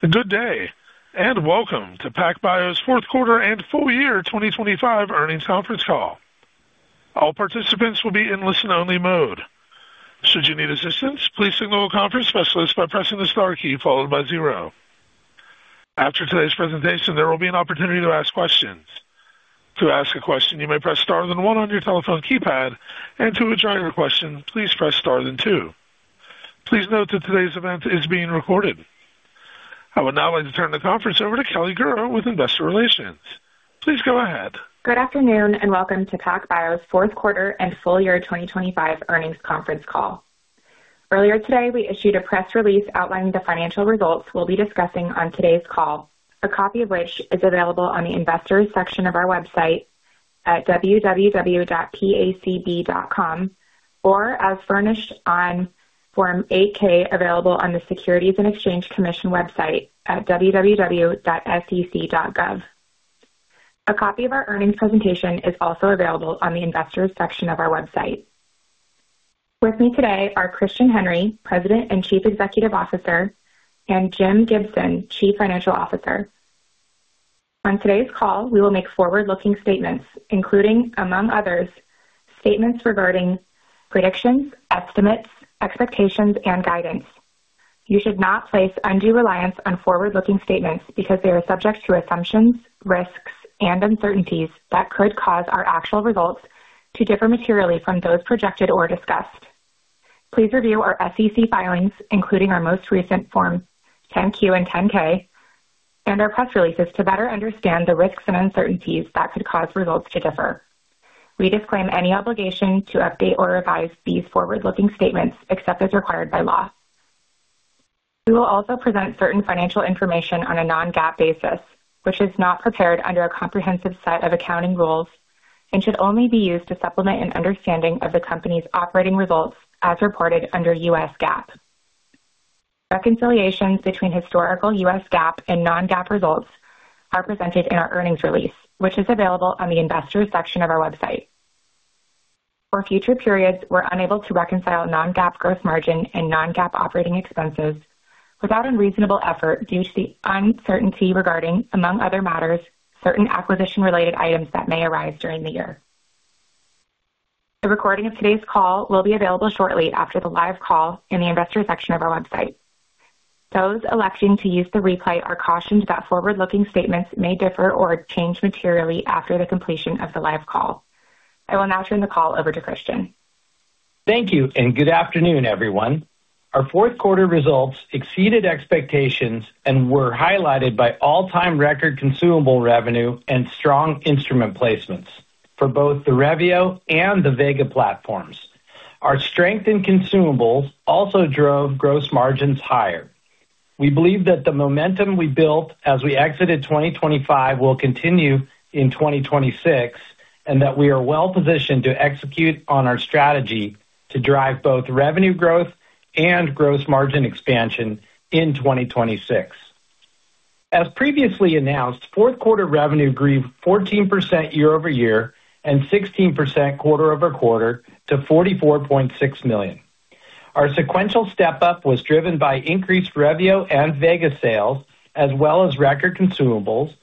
Good day, and welcome to PacBio's fourth quarter and full year 2025 earnings Conference Call. All participants will be in listen-only mode. Should you need assistance, please signal a conference specialist by pressing the star key followed by zero. After today's presentation, there will be an opportunity to ask questions. To ask a question, you may Press Star then one on your telephone keypad, and to withdraw your question, please Press Star then two. Please note that today's event is being recorded. I would now like to turn the conference over to Kelly Guru with Investor Relations. Please go ahead. Good afternoon, and welcome to PacBio's fourth quarter and full year 2025 earnings conference call. Earlier today, we issued a press release outlining the financial results we'll be discussing on today's call, a copy of which is available on the Investors section of our website at www.pacb.com, or as furnished on Form 8-K, available on the Securities and Exchange Commission website at www.sec.gov. A copy of our earnings presentation is also available on the Investors section of our website. With me today are Christian Henry, President and Chief Executive Officer, and Jim Gibson, Chief Financial Officer. On today's call, we will make forward-looking statements, including, among others, statements regarding predictions, estimates, expectations, and guidance. You should not place undue reliance on forward-looking statements because they are subject to assumptions, risks, and uncertainties that could cause our actual results to differ materially from those projected or discussed. Please review our SEC filings, including our most recent Form 10-Q and 10-K, and our press releases to better understand the risks and uncertainties that could cause results to differ. We disclaim any obligation to update or revise these forward-looking statements, except as required by law. We will also present certain financial information on a Non-GAAP basis, which is not prepared under a comprehensive set of accounting rules and should only be used to supplement an understanding of the company's operating results as reported under U.S. GAAP. Reconciliations between historical U.S. GAAP and Non-GAAP results are presented in our earnings release, which is available on the Investors section of our website. For future periods, we're unable to reconcile Non-GAAP gross margin and Non-GAAP operating expenses without unreasonable effort due to the uncertainty regarding, among other matters, certain acquisition-related items that may arise during the year. The recording of today's call will be available shortly after the live call in the Investor section of our website. Those electing to use the replay are cautioned that forward-looking statements may differ or change materially after the completion of the live call. I will now turn the call over to Christian. Thank you, and good afternoon, everyone. Our fourth quarter results exceeded expectations and were highlighted by all-time record consumable revenue and strong instrument placements for both the Revio and the Vega platforms. Our strength in consumables also drove gross margins higher. We believe that the momentum we built as we exited 2025 will continue in 2026, and that we are well-positioned to execute on our strategy to drive both revenue growth and gross margin expansion in 2026. As previously announced, fourth quarter revenue grew 14% year-over-year and 16% quarter-over-quarter to $44.6 million. Our sequential step-up was driven by increased Revio and Vega sales, as well as record consumables,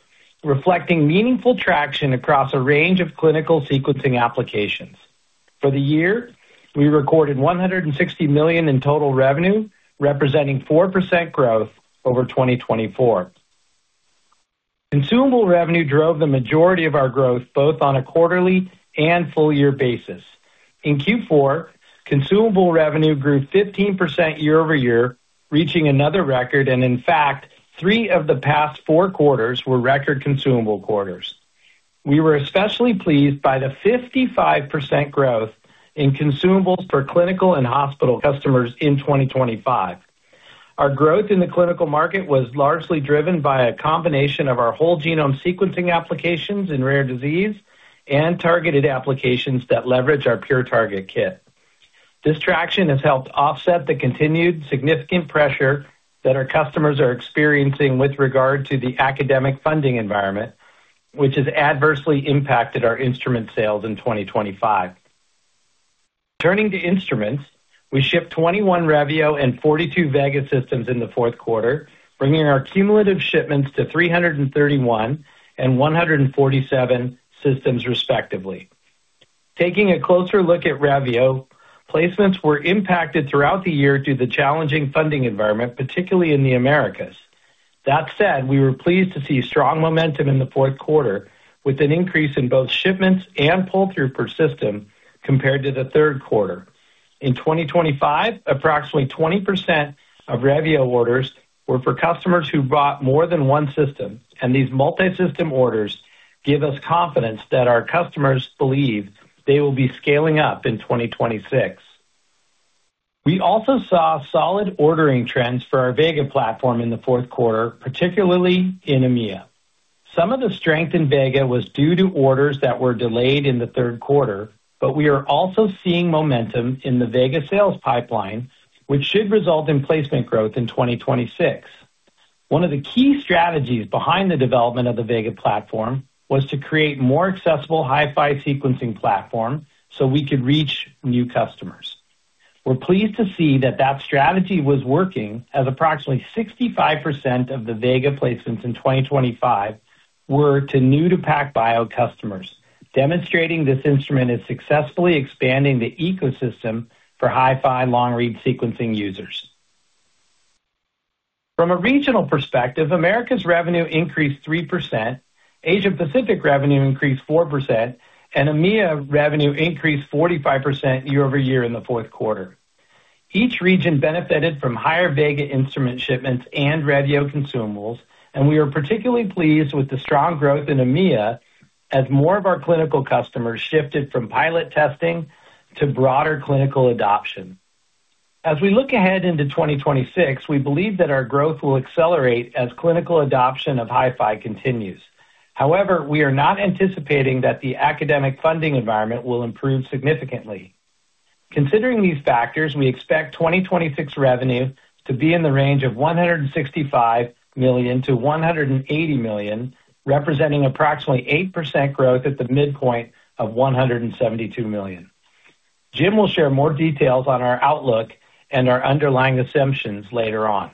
reflecting meaningful traction across a range of clinical sequencing applications. For the year, we recorded $160 million in total revenue, representing 4% growth over 2024. Consumable revenue drove the majority of our growth, both on a quarterly and full year basis. In Q4, consumable revenue grew 15% year-over-year, reaching another record, and in fact, three of the past four quarters were record consumable quarters. We were especially pleased by the 55% growth in consumables for clinical and hospital customers in 2025. Our growth in the clinical market was largely driven by a combination of our whole genome sequencing applications in rare disease and targeted applications that leverage our PureTarget kit. This traction has helped offset the continued significant pressure that our customers are experiencing with regard to the academic funding environment, which has adversely impacted our instrument sales in 2025. Turning to instruments, we shipped 21 Revio and 42 Vega systems in the fourth quarter, bringing our cumulative shipments to 331 and 147 systems, respectively. Taking a closer look at Revio, placements were impacted throughout the year due to the challenging funding environment, particularly in the Americas. That said, we were pleased to see strong momentum in the fourth quarter, with an increase in both shipments and pull-through per system compared to the third quarter. In 2025, approximately 20% of Revio orders were for customers who bought more than one system, and these multisystem orders give us confidence that our customers believe they will be scaling up in 2026. We also saw solid ordering trends for our Vega platform in the fourth quarter, particularly in EMEA. Some of the strength in Vega was due to orders that were delayed in the third quarter, but we are also seeing momentum in the Vega sales pipeline, which should result in placement growth in 2026. One of the key strategies behind the development of the Vega platform was to create more accessible HiFi sequencing platform so we could reach new customers.... We're pleased to see that that strategy was working, as approximately 65% of the Vega placements in 2025 were to new-to-PacBio customers, demonstrating this instrument is successfully expanding the ecosystem for HiFi long-read sequencing users. From a regional perspective, Americas revenue increased 3%, Asia Pacific revenue increased 4%, and EMEA revenue increased 45% year-over-year in the fourth quarter. Each region benefited from higher Vega instrument shipments and Revio consumables, and we are particularly pleased with the strong growth in EMEA as more of our clinical customers shifted from pilot testing to broader clinical adoption. As we look ahead into 2026, we believe that our growth will accelerate as clinical adoption of HiFi continues. However, we are not anticipating that the academic funding environment will improve significantly. Considering these factors, we expect 2026 revenue to be in the range of $165 million-$180 million, representing approximately 8% growth at the midpoint of $172 million. Jim will share more details on our outlook and our underlying assumptions later on.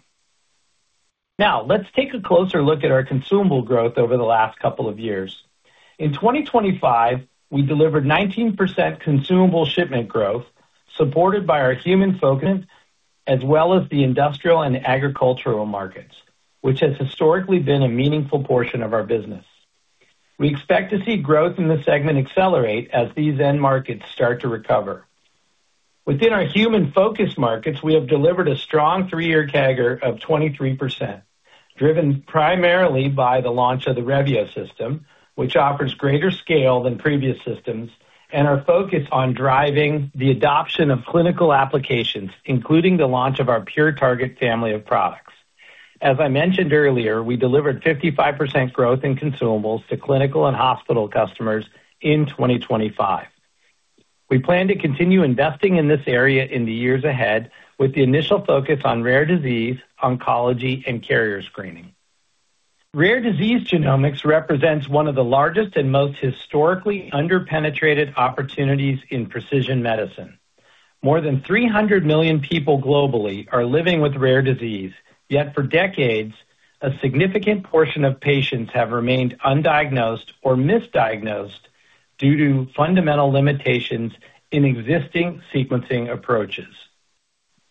Now, let's take a closer look at our consumable growth over the last couple of years. In 2025, we delivered 19% consumable shipment growth, supported by our human focus, as well as the industrial and agricultural markets, which has historically been a meaningful portion of our business. We expect to see growth in this segment accelerate as these end markets start to recover. Within our human-focused markets, we have delivered a strong three-year CAGR of 23%, driven primarily by the launch of the Revio system, which offers greater scale than previous systems, and are focused on driving the adoption of clinical applications, including the launch of our PureTarget family of products. As I mentioned earlier, we delivered 55% growth in consumables to clinical and hospital customers in 2025. We plan to continue investing in this area in the years ahead, with the initial focus on rare disease, oncology, and carrier screening. Rare disease genomics represents one of the largest and most historically under-penetrated opportunities in precision medicine. More than 300 million people globally are living with rare disease. Yet, for decades, a significant portion of patients have remained undiagnosed or misdiagnosed due to fundamental limitations in existing sequencing approaches.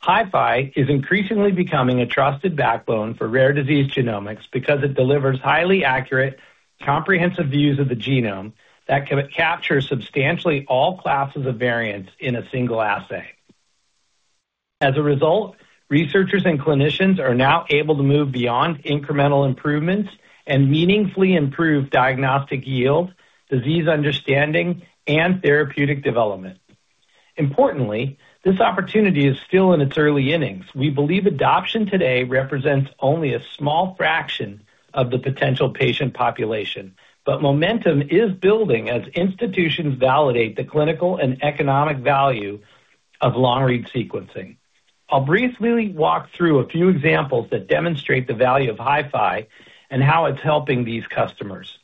HiFi is increasingly becoming a trusted backbone for rare disease genomics because it delivers highly accurate, comprehensive views of the genome that can capture substantially all classes of variants in a single assay. As a result, researchers and clinicians are now able to move beyond incremental improvements and meaningfully improve diagnostic yield, disease understanding, and therapeutic development. Importantly, this opportunity is still in its early innings. We believe adoption today represents only a small fraction of the potential patient population, but momentum is building as institutions validate the clinical and economic value of long-read sequencing. I'll briefly walk through a few examples that demonstrate the value of HiFi and how it's helping these customers.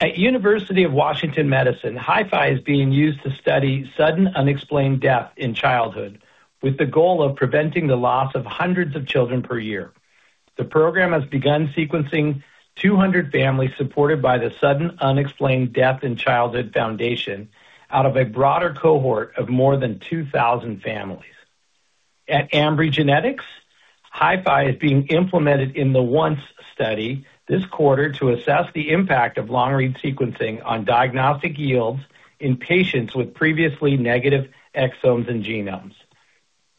At University of Washington Medicine, HiFi is being used to study sudden unexplained death in childhood, with the goal of preventing the loss of hundreds of children per year. The program has begun sequencing 200 families, supported by the Sudden Unexplained Death in Childhood Foundation, out of a broader cohort of more than 2,000 families. At Ambry Genetics, HiFi is being implemented in the iHope study this quarter to assess the impact of long-read sequencing on diagnostic yields in patients with previously negative exomes and genomes.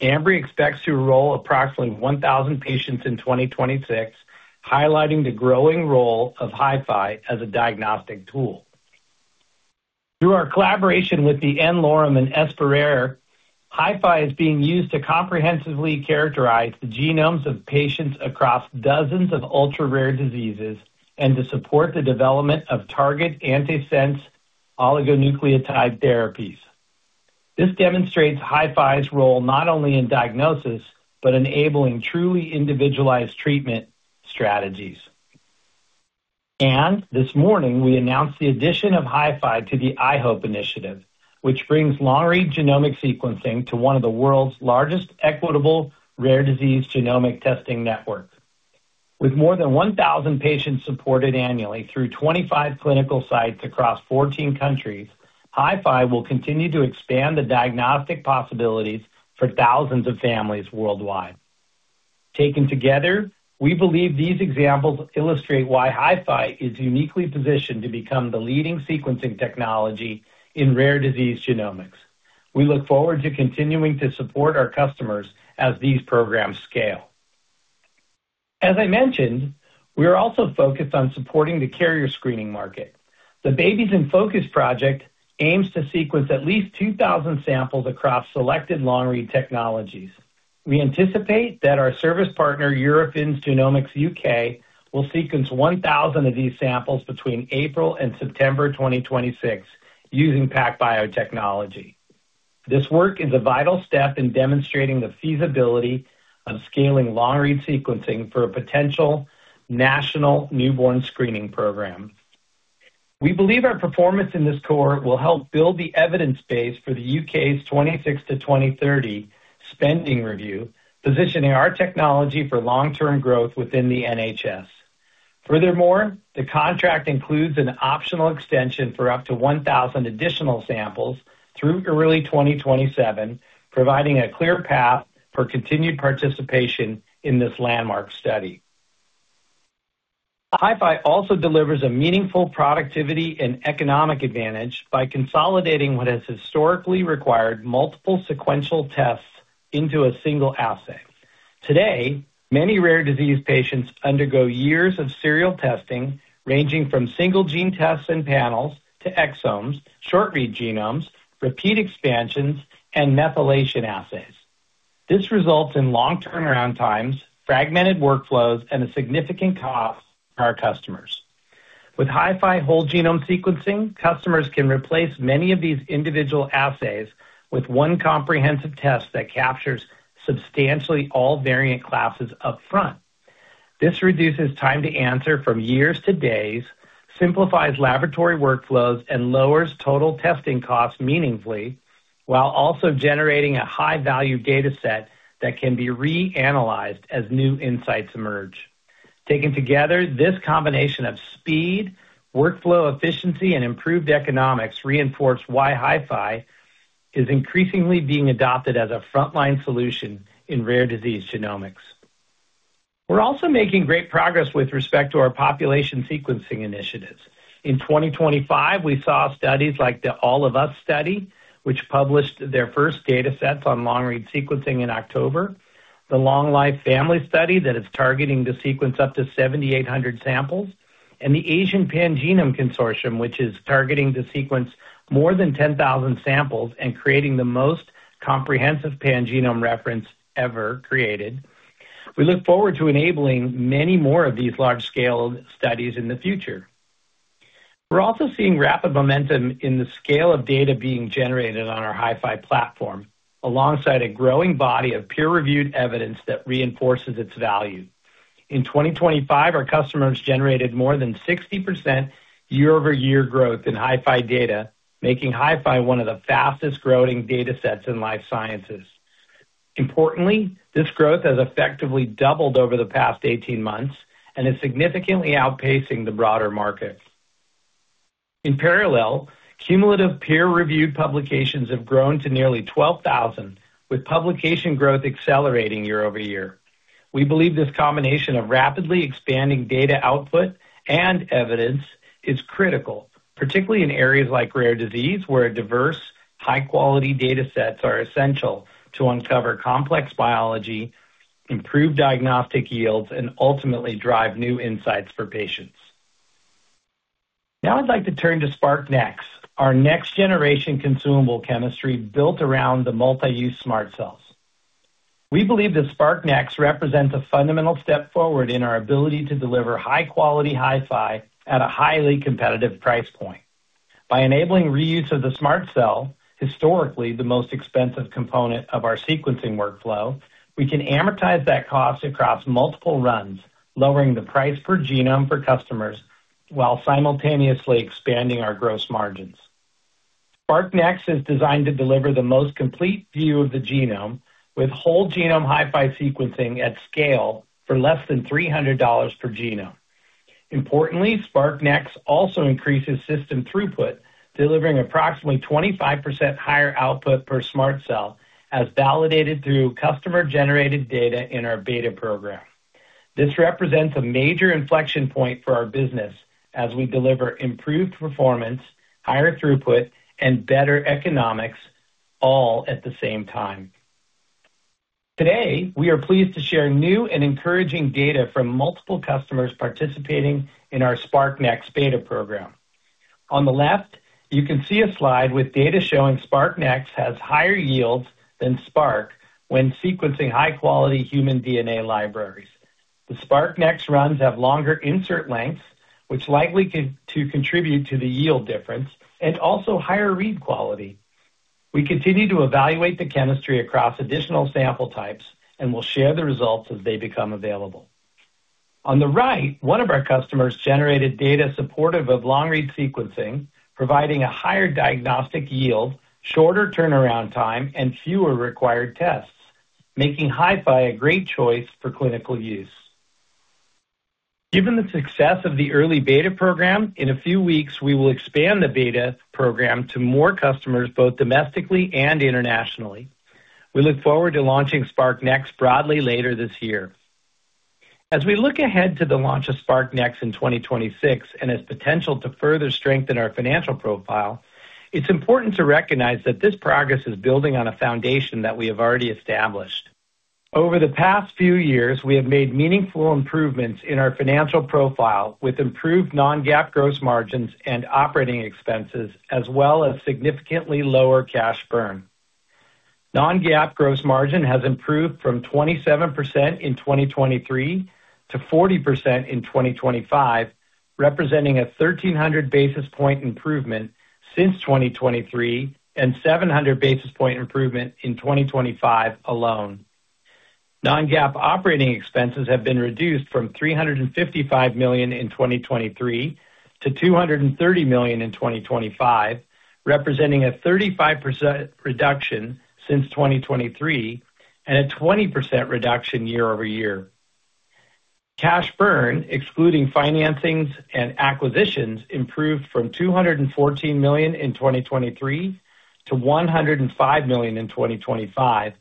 Ambry expects to enroll approximately 1,000 patients in 2026, highlighting the growing role of HiFi as a diagnostic tool. Through our collaboration with the n-Lorem and EspeRare, HiFi is being used to comprehensively characterize the genomes of patients across dozens of ultra-rare diseases and to support the development of target antisense oligonucleotide therapies. This demonstrates HiFi's role not only in diagnosis, but enabling truly individualized treatment strategies. This morning, we announced the addition of HiFi to the iHope initiative, which brings long-read genomic sequencing to one of the world's largest, equitable, rare disease genomic testing networks. With more than 1,000 patients supported annually through 25 clinical sites across 14 countries, HiFi will continue to expand the diagnostic possibilities for thousands of families worldwide. Taken together, we believe these examples illustrate why HiFi is uniquely positioned to become the leading sequencing technology in rare disease genomics. We look forward to continuing to support our customers as these programs scale. As I mentioned, we are also focused on supporting the carrier screening market. The babies in focus project aims to sequence at least 2,000 samples across selected long-read technologies. We anticipate that our service partner, Eurofins Genomics UK, will sequence 1,000 of these samples between April and September 2026 using PacBio technology. This work is a vital step in demonstrating the feasibility of scaling long-read sequencing for a potential national newborn screening program. We believe our performance in this cohort will help build the evidence base for the UK's 2026-2030 spending review, positioning our technology for long-term growth within the NHS. Furthermore, the contract includes an optional extension for up to 1,000 additional samples through early 2027, providing a clear path for continued participation in this landmark study. HiFi also delivers a meaningful productivity and economic advantage by consolidating what has historically required multiple sequential tests into a single assay. Today, many rare disease patients undergo years of serial testing, ranging from single gene tests and panels to exomes, short-read genomes, repeat expansions, and methylation assays. This results in long turnaround times, fragmented workflows, and a significant cost to our customers. With HiFi whole genome sequencing, customers can replace many of these individual assays with one comprehensive test that captures substantially all variant classes up front. This reduces time to answer from years to days, simplifies laboratory workflows, and lowers total testing costs meaningfully, while also generating a high-value data set that can be reanalyzed as new insights emerge. Taken together, this combination of speed, workflow efficiency, and improved economics reinforce why HiFi is increasingly being adopted as a frontline solution in rare disease genomics. We're also making great progress with respect to our population sequencing initiatives. In 2025, we saw studies like the All of Us study, which published their first data sets on long-read sequencing in October, the Long Life Family Study, that is targeting to sequence up to 7,800 samples, and the Asian Pangenome Consortium, which is targeting to sequence more than 10,000 samples and creating the most comprehensive pangenome reference ever created. We look forward to enabling many more of these large-scale studies in the future. We're also seeing rapid momentum in the scale of data being generated on our HiFi platform, alongside a growing body of peer-reviewed evidence that reinforces its value. In 2025, our customers generated more than 60% year-over-year growth in HiFi data, making HiFi one of the fastest-growing data sets in life sciences. Importantly, this growth has effectively doubled over the past 18 months and is significantly outpacing the broader market. In parallel, cumulative peer-reviewed publications have grown to nearly 12,000, with publication growth accelerating year-over-year. We believe this combination of rapidly expanding data output and evidence is critical, particularly in areas like rare disease, where diverse, high-quality data sets are essential to uncover complex biology, improve diagnostic yields, and ultimately drive new insights for patients. Now, I'd like to turn to SPRQ-Nx, our next-generation consumable chemistry built around the multi-use SMRT Cells. We believe that SPRQ-Nx represents a fundamental step forward in our ability to deliver high-quality HiFi at a highly competitive price point. By enabling reuse of the Smart Cell, historically, the most expensive component of our sequencing workflow, we can amortize that cost across multiple runs, lowering the price per genome for customers while simultaneously expanding our gross margins. SparkNex is designed to deliver the most complete view of the genome, with whole genome HiFi sequencing at scale for less than $300 per genome. Importantly, SparkNex also increases system throughput, delivering approximately 25% higher output per Smart Cell, as validated through customer-generated data in our beta program. This represents a major inflection point for our business as we deliver improved performance, higher throughput, and better economics, all at the same time. Today, we are pleased to share new and encouraging data from multiple customers participating in our SparkNex beta program. On the left, you can see a slide with data showing SparkNex has higher yields than Spark when sequencing high-quality human DNA libraries. The SparkNex runs have longer insert lengths, which likely contribute to the yield difference, and also higher read quality. We continue to evaluate the chemistry across additional sample types and will share the results as they become available. On the right, one of our customers generated data supportive of long-read sequencing, providing a higher diagnostic yield, shorter turnaround time, and fewer required tests, making HiFi a great choice for clinical use. Given the success of the early beta program, in a few weeks, we will expand the beta program to more customers, both domestically and internationally. We look forward to launching SparkNex broadly later this year. As we look ahead to the launch of SparkNex in 2026 and its potential to further strengthen our financial profile, it's important to recognize that this progress is building on a foundation that we have already established. Over the past few years, we have made meaningful improvements in our financial profile, with improved non-GAAP gross margins and operating expenses, as well as significantly lower cash burn. Non-GAAP gross margin has improved from 27% in 2023 to 40% in 2025, representing a 1,300 basis point improvement since 2023, and 700 basis point improvement in 2025 alone. Non-GAAP operating expenses have been reduced from $355 million in 2023 to $230 million in 2025, representing a 35% reduction since 2023 and a 20% reduction year over year. Cash burn, excluding financings and acquisitions, improved from $214 million in 2023 to $105 million in 2025,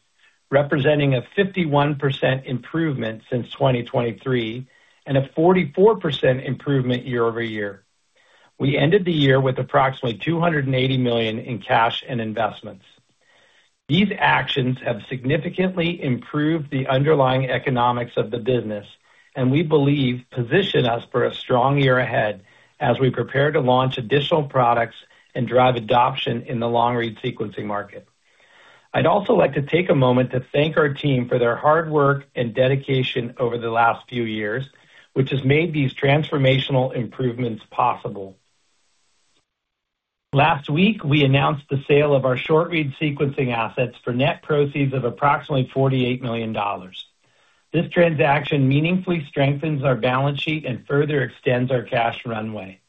representing a 51% improvement since 2023 and a 44% improvement year-over-year. We ended the year with approximately $280 million in cash and investments. These actions have significantly improved the underlying economics of the business and, we believe, position us for a strong year ahead as we prepare to launch additional products and drive adoption in the long-read sequencing market. I'd also like to take a moment to thank our team for their hard work and dedication over the last few years, which has made these transformational improvements possible. Last week, we announced the sale of our short-read sequencing assets for net proceeds of approximately $48 million. This transaction meaningfully strengthens our balance sheet and further extends our cash runway.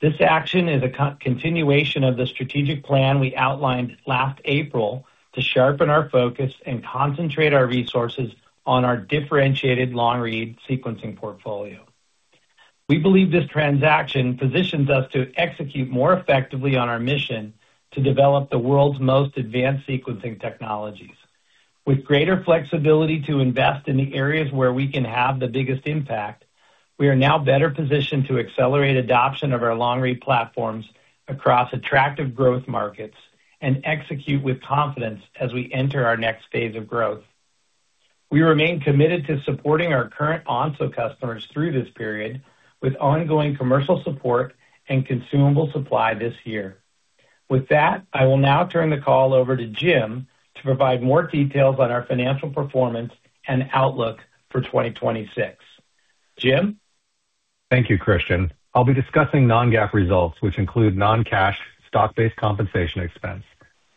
This action is a continuation of the strategic plan we outlined last April to sharpen our focus and concentrate our resources on our differentiated long-read sequencing portfolio. We believe this transaction positions us to execute more effectively on our mission to develop the world's most advanced sequencing technologies. With greater flexibility to invest in the areas where we can have the biggest impact, we are now better positioned to accelerate adoption of our long-read platforms across attractive growth markets and execute with confidence as we enter our next phase of growth. We remain committed to supporting our current Onso customers through this period, with ongoing commercial support and consumable supply this year. With that, I will now turn the call over to Jim to provide more details on our financial performance and outlook for 2026. Jim? Thank you, Christian. I'll be discussing non-GAAP results, which include non-cash stock-based compensation expense.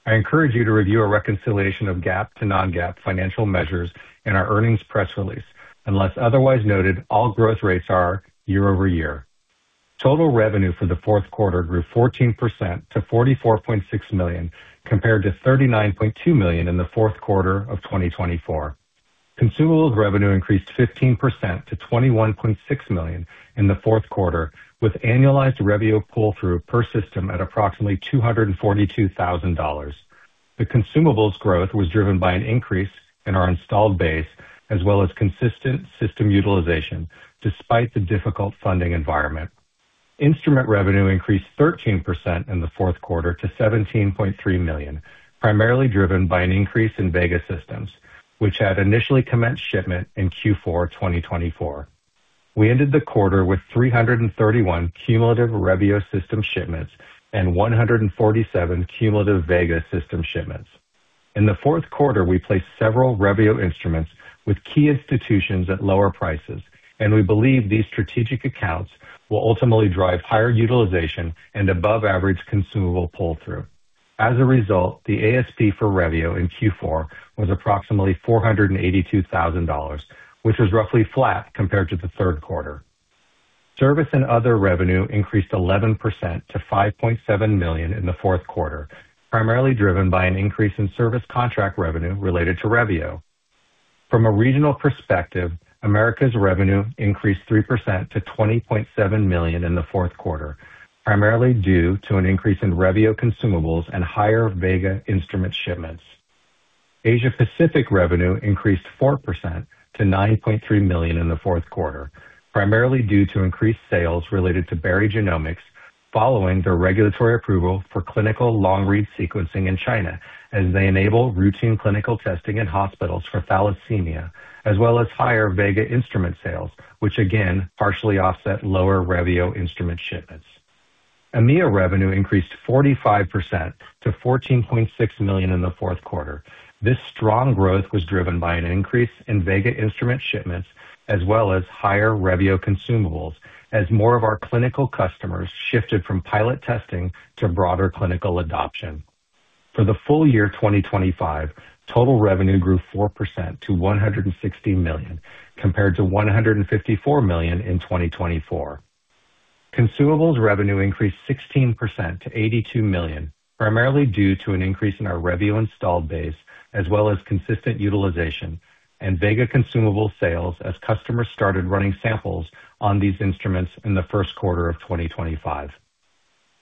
I encourage you to review a reconciliation of GAAP to non-GAAP financial measures in our earnings press release. Unless otherwise noted, all growth rates are year-over-year. Total revenue for the fourth quarter grew 14% to $44.6 million, compared to $39.2 million in the fourth quarter of 2024. Consumables revenue increased 15% to $21.6 million in the fourth quarter, with annualized Revio pull-through per system at approximately $242,000. The consumables growth was driven by an increase in our installed base, as well as consistent system utilization, despite the difficult funding environment. Instrument revenue increased 13% in the fourth quarter to $17.3 million, primarily driven by an increase in Vega systems, which had initially commenced shipment in Q4, 2024. We ended the quarter with 331 cumulative Revio system shipments and 147 cumulative Vega system shipments. In the fourth quarter, we placed several Revio instruments with key institutions at lower prices, and we believe these strategic accounts will ultimately drive higher utilization and above average consumable pull-through. As a result, the ASP for Revio in Q4 was approximately $482,000, which is roughly flat compared to the third quarter. Service and other revenue increased 11% to $5.7 million in the fourth quarter, primarily driven by an increase in service contract revenue related to Revio. From a regional perspective, Americas revenue increased 3% to $20.7 million in the fourth quarter, primarily due to an increase in Revio consumables and higher Vega instrument shipments. Asia Pacific revenue increased 4% to $9.3 million in the fourth quarter, primarily due to increased sales related to Berry Genomics, following the regulatory approval for clinical long-read sequencing in China, as they enable routine clinical testing in hospitals for thalassemia, as well as higher Vega instrument sales, which, again, partially offset lower Revio instrument shipments. EMEA revenue increased 45% to $14.6 million in the fourth quarter. This strong growth was driven by an increase in Vega instrument shipments, as well as higher Revio consumables, as more of our clinical customers shifted from pilot testing to broader clinical adoption. For the full year 2025, total revenue grew 4% to $160 million, compared to $154 million in 2024. Consumables revenue increased 16% to $82 million, primarily due to an increase in our Revio installed base, as well as consistent utilization and Vega consumable sales as customers started running samples on these instruments in the first quarter of 2025.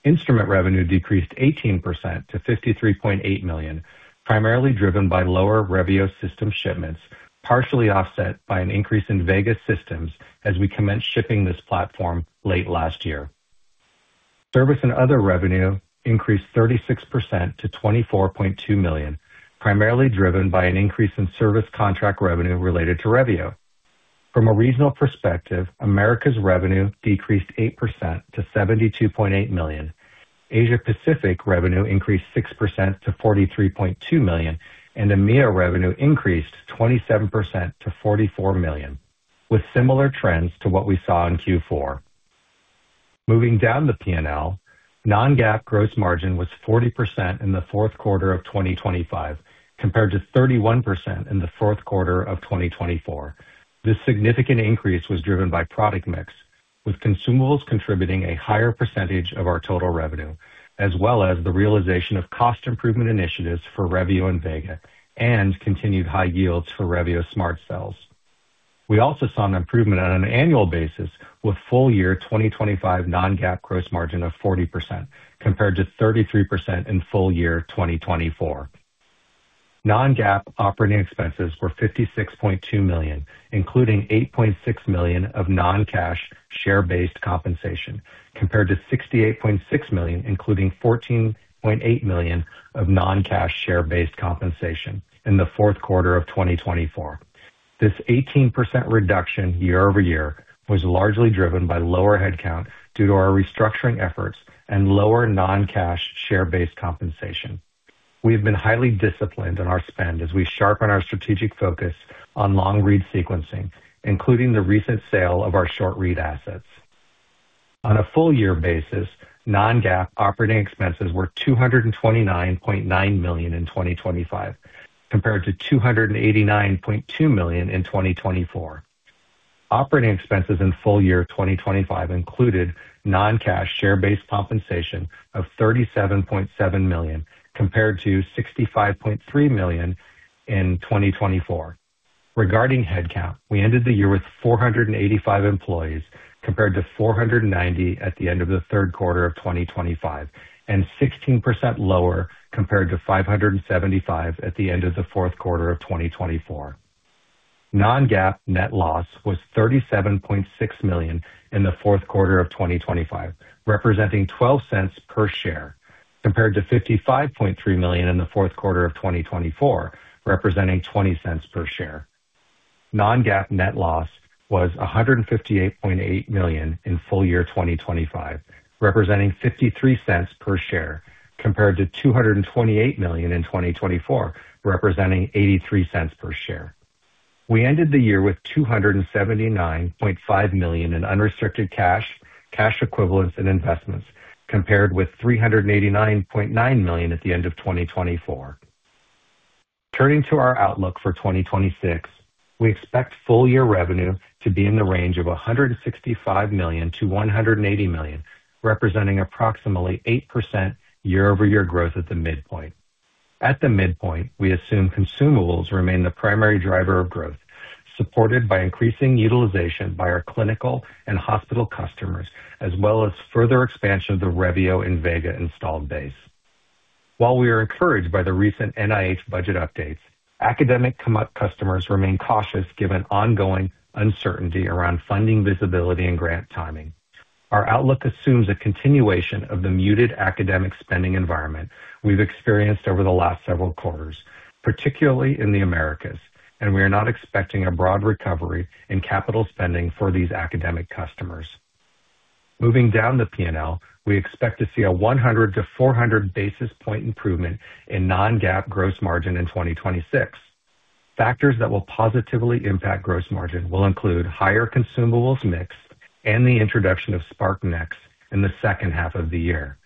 Instrument revenue decreased 18% to $53.8 million, primarily driven by lower Revio system shipments, partially offset by an increase in Vega systems as we commenced shipping this platform late last year. Service and other revenue increased 36% to $24.2 million, primarily driven by an increase in service contract revenue related to Revio. From a regional perspective, Americas revenue decreased 8% to $72.8 million. Asia Pacific revenue increased 6% to $43.2 million, and EMEA revenue increased 27% to $44 million, with similar trends to what we saw in Q4. Moving down the PNL, non-GAAP gross margin was 40% in the fourth quarter of 2025, compared to 31% in the fourth quarter of 2024. This significant increase was driven by product mix, with consumables contributing a higher percentage of our total revenue, as well as the realization of cost improvement initiatives for Revio and Vega, and continued high yields for Revio SMRT Cells. We also saw an improvement on an annual basis, with full year 2025 non-GAAP gross margin of 40%, compared to 33% in full year 2024. Non-GAAP operating expenses were $56.2 million, including $8.6 million of non-cash share-based compensation, compared to $68.6 million, including $14.8 million of non-cash share-based compensation in the fourth quarter of 2024. This 18% reduction year-over-year was largely driven by lower headcount due to our restructuring efforts and lower non-cash share-based compensation. We have been highly disciplined in our spend as we sharpen our strategic focus on long-read sequencing, including the recent sale of our short-read assets. On a full year basis, non-GAAP operating expenses were $229.9 million in 2025, compared to $289.2 million in 2024. Operating expenses in full year 2025 included non-cash share-based compensation of $37.7 million, compared to $65.3 million in 2024. Regarding headcount, we ended the year with 485 employees, compared to 490 at the end of the third quarter of 2025, and 16% lower compared to 575 at the end of the fourth quarter of 2024. Non-GAAP net loss was $37.6 million in the fourth quarter of 2025, representing $0.12 per share, compared to $55.3 million in the fourth quarter of 2024, representing $0.20 per share. Non-GAAP net loss was $158.8 million in full year 2025, representing $0.53 per share, compared to $228 million in 2024, representing $0.83 per share. We ended the year with $279.5 million in unrestricted cash, cash equivalents, and investments, compared with $389.9 million at the end of 2024. Turning to our outlook for 2026, we expect full year revenue to be in the range of $165 million-$180 million, representing approximately 8% year-over-year growth at the midpoint. At the midpoint, we assume consumables remain the primary driver of growth, supported by increasing utilization by our clinical and hospital customers, as well as further expansion of the Revio and Vega installed base. While we are encouraged by the recent NIH budget updates, academic and commercial customers remain cautious, given ongoing uncertainty around funding, visibility, and grant timing. Our outlook assumes a continuation of the muted academic spending environment we've experienced over the last several quarters, particularly in the Americas, and we are not expecting a broad recovery in capital spending for these academic customers. Moving down to PNL, we expect to see a 100-400 basis point improvement in non-GAAP gross margin in 2026. Factors that will positively impact gross margin will include higher consumables mix and the introduction of SparkNex in the second half of the year.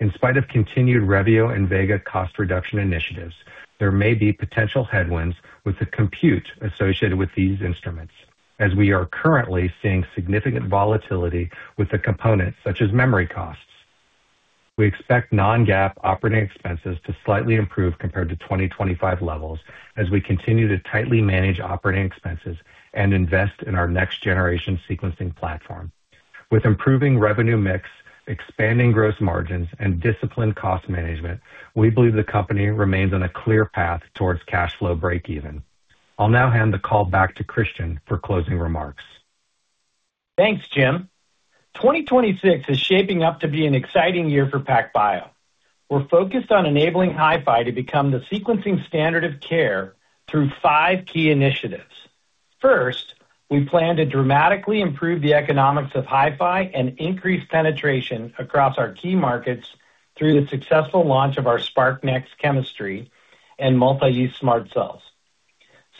In spite of continued Revio and Vega cost reduction initiatives, there may be potential headwinds with the compute associated with these instruments, as we are currently seeing significant volatility with the components, such as memory costs. We expect non-GAAP operating expenses to slightly improve compared to 2025 levels, as we continue to tightly manage operating expenses and invest in our next generation sequencing platform. With improving revenue mix, expanding gross margins, and disciplined cost management, we believe the company remains on a clear path towards cash flow break even. I'll now hand the call back to Christian for closing remarks. Thanks, Jim. 2026 is shaping up to be an exciting year for PacBio. We're focused on enabling HiFi to become the sequencing standard of care through five key initiatives. First, we plan to dramatically improve the economics of HiFi and increase penetration across our key markets through the successful launch of our SparkNex chemistry and multi-use SMRT Cells.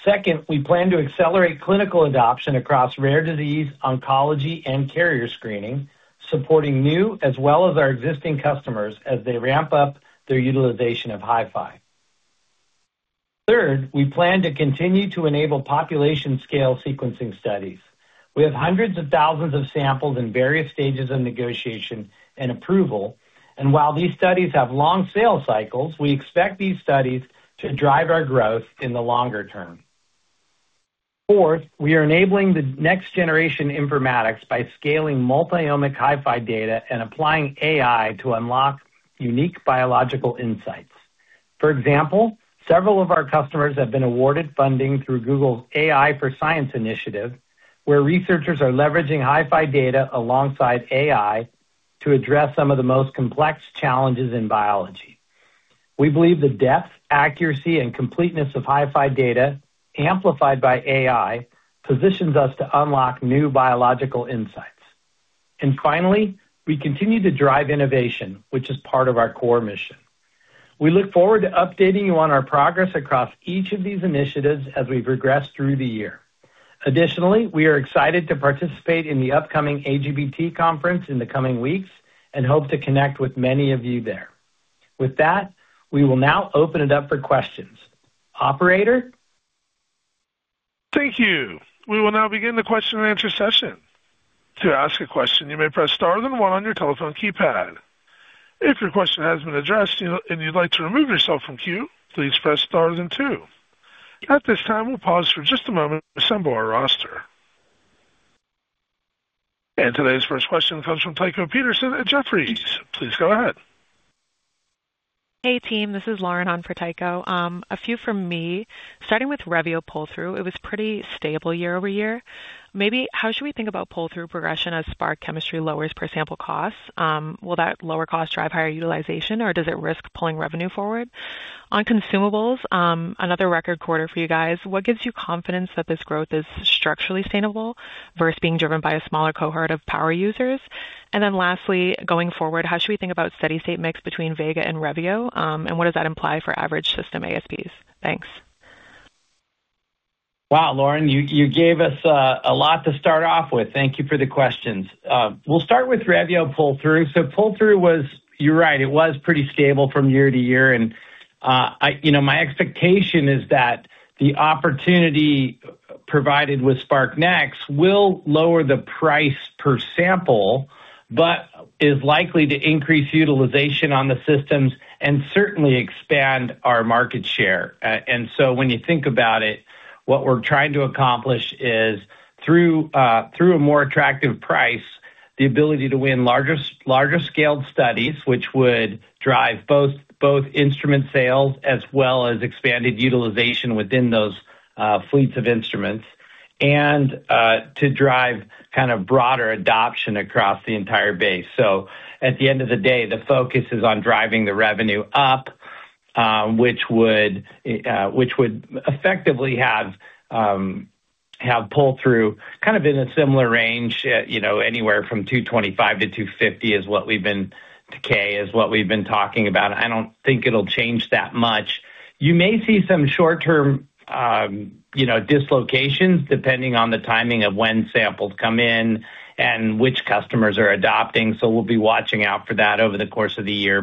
Second, we plan to accelerate clinical adoption across rare disease, oncology, and carrier screening, supporting new as well as our existing customers as they ramp up their utilization of HiFi. Third, we plan to continue to enable population-scale sequencing studies. We have hundreds of thousands of samples in various stages of negotiation and approval, and while these studies have long sales cycles, we expect these studies to drive our growth in the longer term. Fourth, we are enabling the next generation informatics by scaling multi-omic HiFi data and applying AI to unlock unique biological insights. For example, several of our customers have been awarded funding through Google's AI for Science initiative, where researchers are leveraging HiFi data alongside AI to address some of the most complex challenges in biology. We believe the depth, accuracy, and completeness of HiFi data, amplified by AI, positions us to unlock new biological insights. And finally, we continue to drive innovation, which is part of our core mission. We look forward to updating you on our progress across each of these initiatives as we progress through the year. Additionally, we are excited to participate in the upcoming AGBT conference in the coming weeks and hope to connect with many of you there. With that, we will now open it up for questions. Operator? Thank you. We will now begin the question and answer session. To ask a question, you may press star then one on your telephone keypad. If your question has been addressed and you'd like to remove yourself from queue, please press star then two. At this time, we'll pause for just a moment to assemble our roster. Today's first question comes from Tycho Peterson at Jefferies. Please go ahead. Hey, team. This is Lauren on for Tycho. A few from me, starting with Revio pull-through, it was pretty stable year-over-year. Maybe how should we think about pull-through progression as Spark chemistry lowers per sample costs? Will that lower cost drive higher utilization, or does it risk pulling revenue forward? On consumables, another record quarter for you guys. What gives you confidence that this growth is structurally sustainable versus being driven by a smaller cohort of power users? And then lastly, going forward, how should we think about steady-state mix between Vega and Revio? And what does that imply for average system ASPs? Thanks. Wow, Lauren, you, you gave us a lot to start off with. Thank you for the questions. We'll start with Revio pull-through. So pull-through was... You're right, it was pretty stable from year to year, and I, you know, my expectation is that the opportunity provided with Spark Next will lower the price per sample, but is likely to increase utilization on the systems and certainly expand our market share. And so when you think about it, what we're trying to accomplish is, through a more attractive price, the ability to win larger, larger scaled studies, which would drive both, both instrument sales as well as expanded utilization within those fleets of instruments, and to drive kind of broader adoption across the entire base. So at the end of the day, the focus is on driving the revenue up, which would effectively have pull-through kind of in a similar range, you know, anywhere from $225K-$250K is what we've been talking about. I don't think it'll change that much. You may see some short-term, you know, dislocations, depending on the timing of when samples come in and which customers are adopting, so we'll be watching out for that over the course of the year.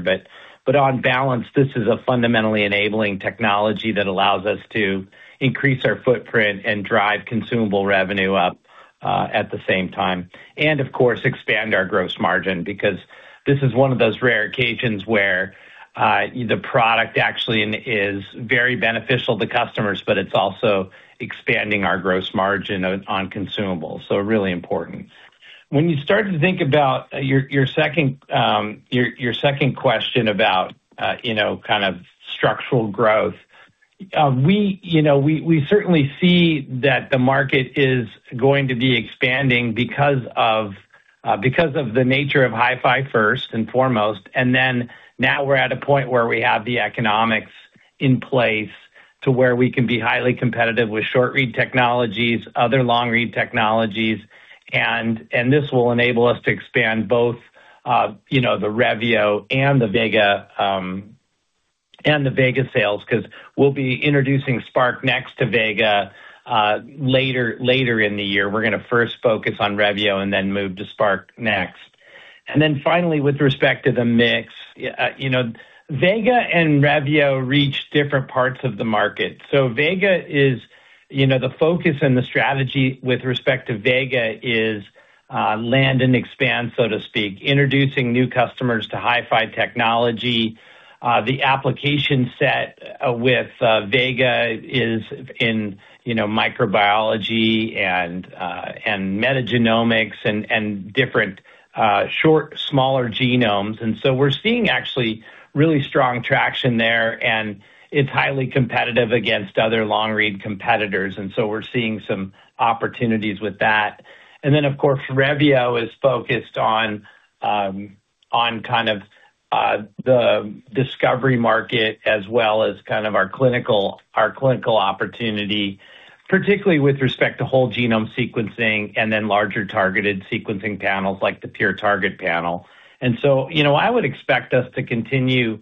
But on balance, this is a fundamentally enabling technology that allows us to increase our footprint and drive consumable revenue up, at the same time, and of course, expand our gross margin, because this is one of those rare occasions where, the product actually is very beneficial to customers, but it's also expanding our gross margin on consumables, so really important. When you start to think about your second question about, you know, kind of structural growth, we, you know, certainly see that the market is going to be expanding because of the nature of HiFi first and foremost, and then now we're at a point where we have the economics in place to where we can be highly competitive with short-read technologies, other long-read technologies, and this will enable us to expand both, you know, the Revio and the Vega, and the Vega sales, because we'll be introducing SparkNex to Vega later in the year. We're going to first focus on Revio and then move to SparkNex. And then finally, with respect to the mix, you know, Vega and Revio reach different parts of the market. So Vega is, you know, the focus and the strategy with respect to Vega is, land and expand, so to speak, introducing new customers to HiFi technology. The application set, with Vega is in, you know, microbiology and metagenomics and different short, smaller genomes. And so we're seeing actually really strong traction there, and it's highly competitive against other long-read competitors, and so we're seeing some opportunities with that. And then, of course, Revio is focused on kind of the discovery market as well as kind of our clinical opportunity, particularly with respect to whole genome sequencing and then larger targeted sequencing panels, like the PureTarget panel. And so, you know, I would expect us to continue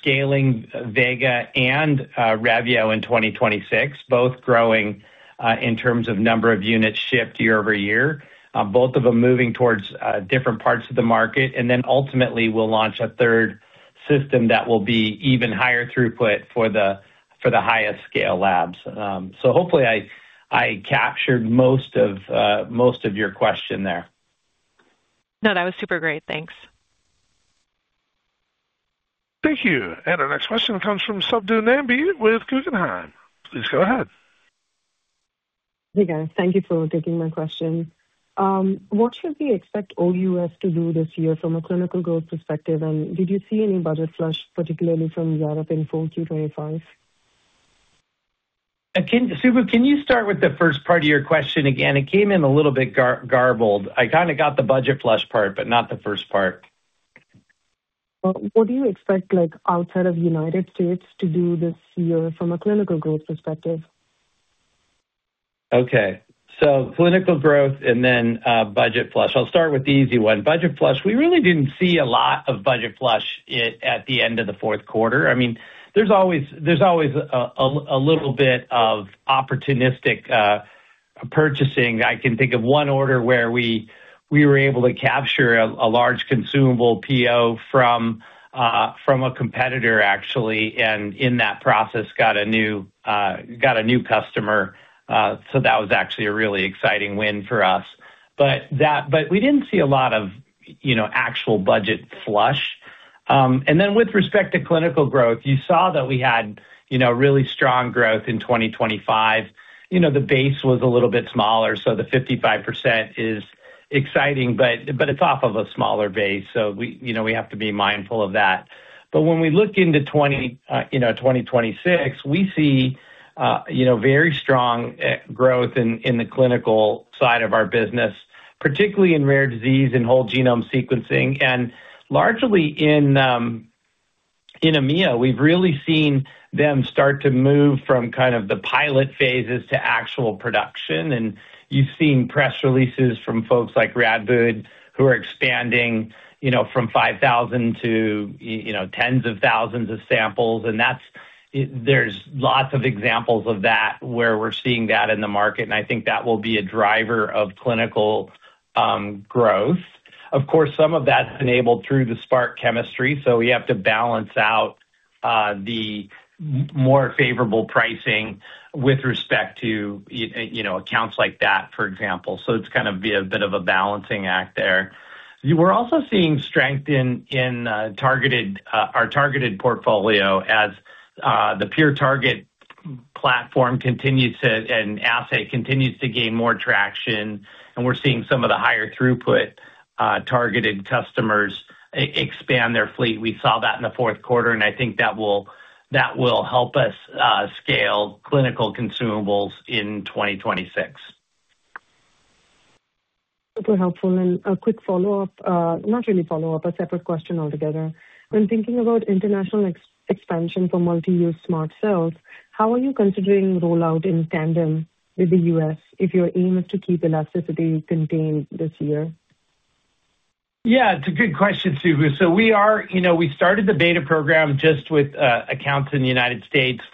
scaling Vega and Revio in 2026, both growing in terms of number of units shipped year-over-year, both of them moving towards different parts of the market. And then ultimately, we'll launch a third system that will be even higher throughput for the highest scale labs. So hopefully I captured most of your question there. No, that was super great. Thanks. Thank you. Our next question comes from Subbu Nambi with Guggenheim. Please go ahead. Hey, guys. Thank you for taking my question. What should we expect OUS to do this year from a clinical growth perspective, and did you see any budget flush, particularly from Europe in 4Q25? Subbu, can you start with the first part of your question again? It came in a little bit garbled. I kind of got the budget flush part, but not the first part. Well, what do you expect, like, outside of United States to do this year from a clinical growth perspective?... Okay, so clinical growth and then budget flush. I'll start with the easy one. Budget flush, we really didn't see a lot of budget flush at the end of the fourth quarter. I mean, there's always a little bit of opportunistic purchasing. I can think of one order where we were able to capture a large consumable PO from a competitor, actually, and in that process, got a new customer, so that was actually a really exciting win for us. But that, but we didn't see a lot of, you know, actual budget flush. And then with respect to clinical growth, you saw that we had, you know, really strong growth in 2025. You know, the base was a little bit smaller, so the 55% is exciting, but it's off of a smaller base, so we, you know, we have to be mindful of that. But when we look into twenty, you know, 2026, we see, you know, very strong growth in the clinical side of our business, particularly in rare disease and whole genome sequencing, and largely in EMEA, we've really seen them start to move from kind of the pilot phases to actual production, and you've seen press releases from folks like Radboud, who are expanding, you know, from 5,000 to tens of thousands of samples, and that's... There's lots of examples of that, where we're seeing that in the market, and I think that will be a driver of clinical growth. Of course, some of that's enabled through the Spark chemistry, so we have to balance out the more favorable pricing with respect to, you know, accounts like that, for example. So it's kind of be a bit of a balancing act there. We're also seeing strength in our targeted portfolio, as the PureTarget platform continues to and assay continues to gain more traction, and we're seeing some of the higher throughput targeted customers expand their fleet. We saw that in the fourth quarter, and I think that will help us scale clinical consumables in 2026. Super helpful, and a quick follow-up, not really follow-up, a separate question altogether. When thinking about international expansion for multi-use SMRT Cells, how are you considering rollout in tandem with the U.S., if your aim is to keep elasticity contained this year? Yeah, it's a good question, Subbu. So we are, you know, we started the beta program just with accounts in the United States,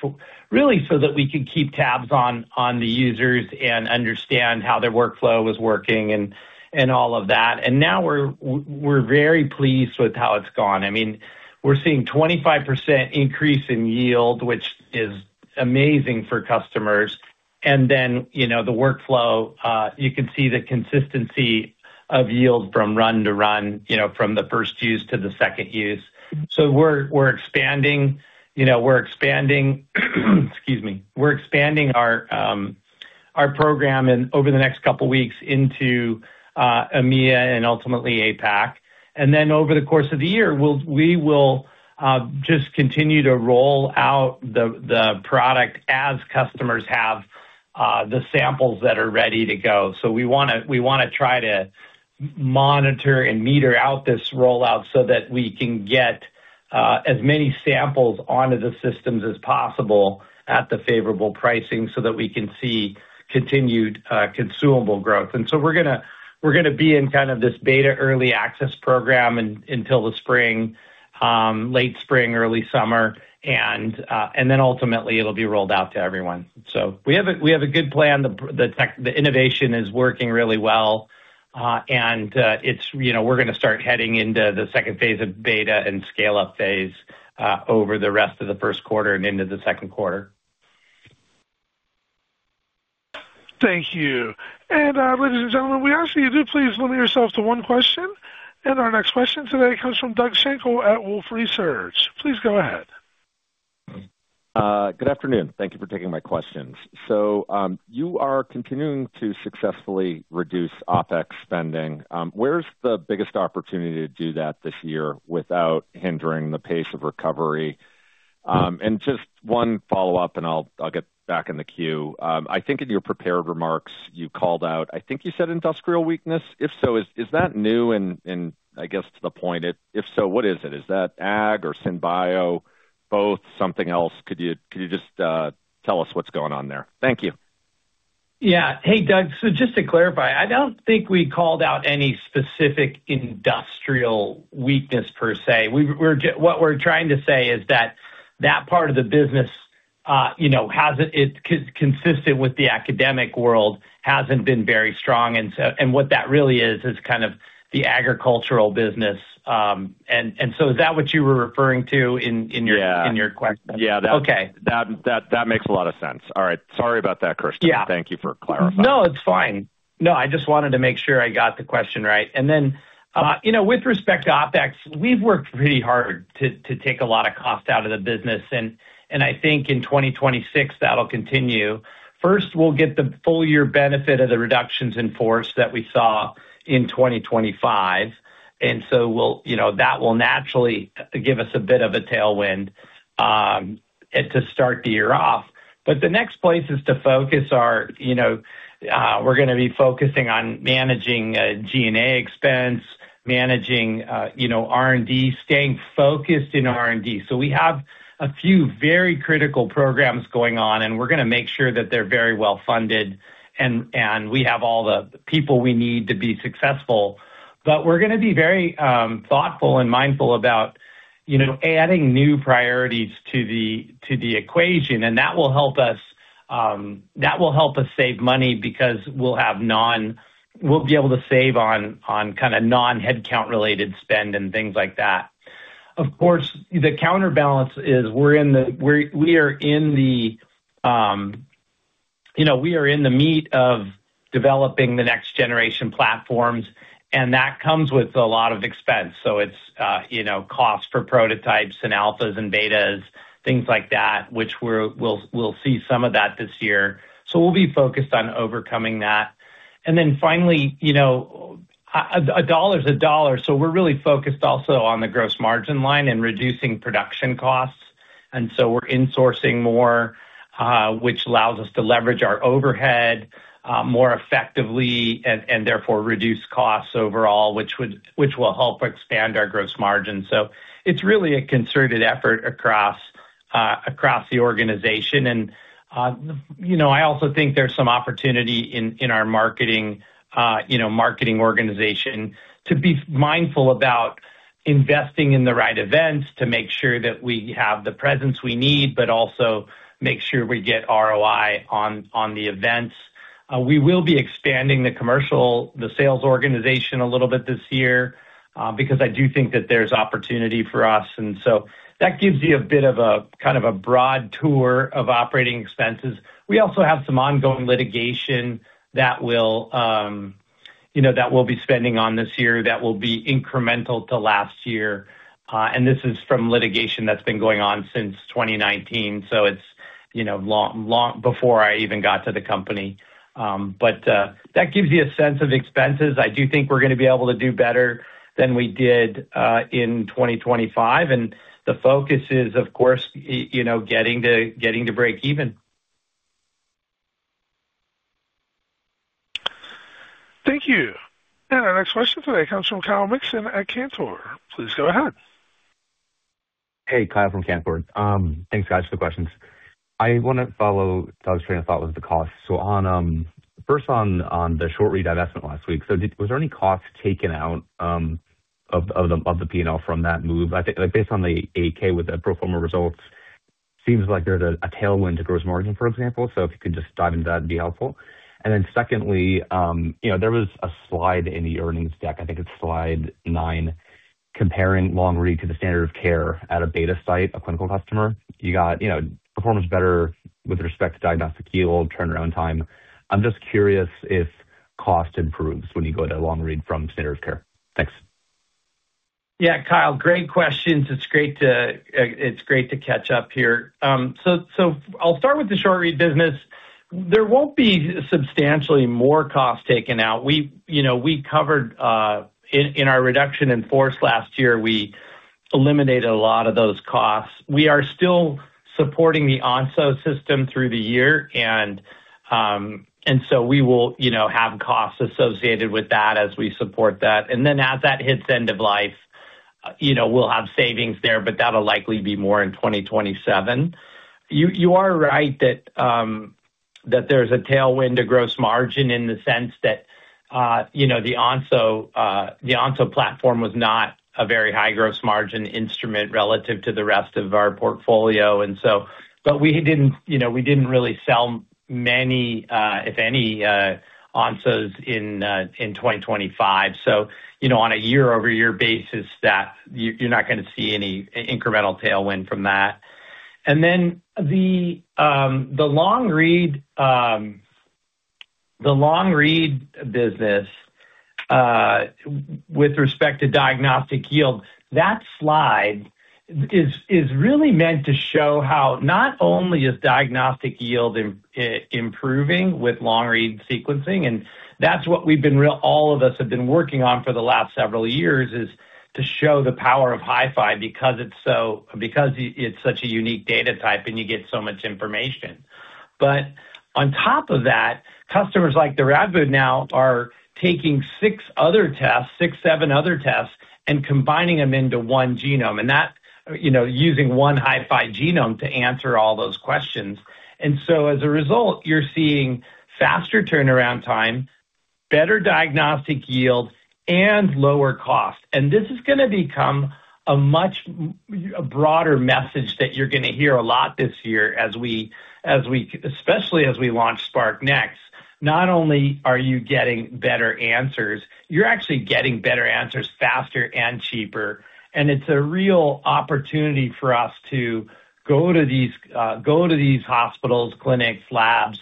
really so that we could keep tabs on the users and understand how their workflow was working and all of that, and now we're very pleased with how it's gone. I mean, we're seeing 25% increase in yield, which is amazing for customers, and then, you know, the workflow, you can see the consistency of yield from run to run, you know, from the first use to the second use. So we're expanding, you know, excuse me, we're expanding our program in over the next couple weeks into EMEA and ultimately APAC, and then over the course of the year, we will just continue to roll out the product as customers have the samples that are ready to go. So we wanna try to monitor and meter out this rollout so that we can get as many samples onto the systems as possible at the favorable pricing, so that we can see continued consumable growth. And so we're gonna be in kind of this beta early access program until the spring, late spring, early summer, and then ultimately it'll be rolled out to everyone. So we have a good plan. The innovation is working really well, and it's, you know, we're gonna start heading into the second phase of beta and scale-up phase over the rest of the first quarter and into the second quarter. Thank you. Ladies and gentlemen, we ask that you do please limit yourselves to one question, and our next question today comes from Doug Schenkel at Wolfe Research. Please go ahead. Good afternoon. Thank you for taking my questions. So, you are continuing to successfully reduce OpEx spending. Where's the biggest opportunity to do that this year without hindering the pace of recovery? And just one follow-up, and I'll get back in the queue. I think in your prepared remarks, you called out, I think you said industrial weakness. If so, is that new? And I guess to the point, if so, what is it? Is that ag or synbio? Both, something else. Could you just tell us what's going on there? Thank you. Yeah. Hey, Doug, so just to clarify, I don't think we called out any specific industrial weakness per se. We, we're what we're trying to say is that, that part of the business, you know, hasn't... It, consistent with the academic world, hasn't been very strong, and so, and what that really is, is kind of the agricultural business. And, and so is that what you were referring to in, in your- Yeah. - in your question? Yeah, that- Okay. That makes a lot of sense. All right. Sorry about that, Kirsten. Yeah. Thank you for clarifying. No, it's fine. No, I just wanted to make sure I got the question right. And then, you know, with respect to OpEx, we've worked pretty hard to take a lot of cost out of the business, and I think in 2026, that'll continue. First, we'll get the full year benefit of the reductions in force that we saw in 2025, and so we'll. You know, that will naturally give us a bit of a tailwind, and to start the year off. But the next places to focus are, you know, we're gonna be focusing on managing G&A expense, managing, you know, R&D, staying focused in R&D. So we have a few very critical programs going on, and we're gonna make sure that they're very well-funded, and we have all the people we need to be successful. But we're gonna be very thoughtful and mindful about, you know, adding new priorities to the equation, and that will help us save money because we'll be able to save on kind of non-headcount-related spend and things like that. Of course, the counterbalance is, we're in the meat of developing the next generation platforms, and that comes with a lot of expense. So it's, you know, costs for prototypes and alphas and betas, things like that, which we'll see some of that this year. So we'll be focused on overcoming that. Then finally, you know, a dollar is a dollar, so we're really focused also on the gross margin line and reducing production costs, and so we're insourcing more, which allows us to leverage our overhead more effectively and therefore reduce costs overall, which will help expand our gross margin. So it's really a concerted effort across the organization. You know, I also think there's some opportunity in our marketing organization to be mindful about investing in the right events, to make sure that we have the presence we need, but also make sure we get ROI on the events. We will be expanding the commercial, the sales organization a little bit this year, because I do think that there's opportunity for us, and so that gives you a bit of a, kind of a broad tour of operating expenses. We also have some ongoing litigation that will, you know, that we'll be spending on this year, that will be incremental to last year, and this is from litigation that's been going on since 2019, so it's, you know, long, long before I even got to the company. But, that gives you a sense of expenses. I do think we're gonna be able to do better than we did, in 2025, and the focus is, of course, you know, getting to, getting to break even. Thank you. Our next question today comes from Kyle Mixon at Cantor. Please go ahead. Hey, Kyle from Cantor. Thanks, guys, for the questions. I want to follow, thought train of thought with the costs. So on, first on, on the short read divestment last week, so did-- was there any costs taken out, of, of the, of the P&L from that move? I think, like, based on the 8-K with the pro forma results, seems like there's a, a tailwind to gross margin, for example. So if you could just dive into that, it'd be helpful. And then secondly, you know, there was a slide in the earnings deck, I think it's slide 9, comparing long read to the standard of care at a beta site, a clinical customer. You got, you know, performance better with respect to diagnostic yield, turnaround time. I'm just curious if cost improves when you go to long read from standard of care. Thanks. Yeah, Kyle, great questions. It's great to, it's great to catch up here. So, so I'll start with the short read business. There won't be substantially more costs taken out. We, you know, we covered... In, in our reduction in force last year, we eliminated a lot of those costs. We are still supporting the Onso system through the year, and, and so we will, you know, have costs associated with that as we support that. And then as that hits end of life, you know, we'll have savings there, but that'll likely be more in 2027. You, you are right that, that there's a tailwind to gross margin in the sense that, you know, the Onso, the Onso platform was not a very high gross margin instrument relative to the rest of our portfolio, and so... But we didn't, you know, we didn't really sell many, if any, Onso in 2025. So, you know, on a year-over-year basis that you, you're not gonna see any incremental tailwind from that. And then the long read business with respect to diagnostic yield, that slide is really meant to show how not only is diagnostic yield improving with long read sequencing, and that's what we've been really all of us have been working on for the last several years, is to show the power of HiFi because it's such a unique data type and you get so much information. But on top of that, customers like the Radboud now are taking six other tests, six seven other tests, and combining them into one genome, and that, you know, using one HiFi genome to answer all those questions. And so, as a result, you're seeing faster turnaround time, better diagnostic yield, and lower cost. And this is gonna become a much broader message that you're gonna hear a lot this year, especially as we launch SparkNex. Not only are you getting better answers, you're actually getting better answers faster and cheaper, and it's a real opportunity for us to go to these hospitals, clinics, labs,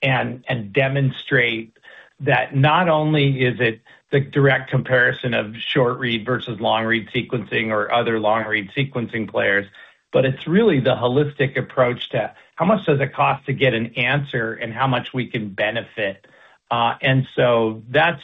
and demonstrate that not only is it the direct comparison of short read versus long read sequencing or other long read sequencing players, but it's really the holistic approach to how much does it cost to get an answer and how much we can benefit. And so that's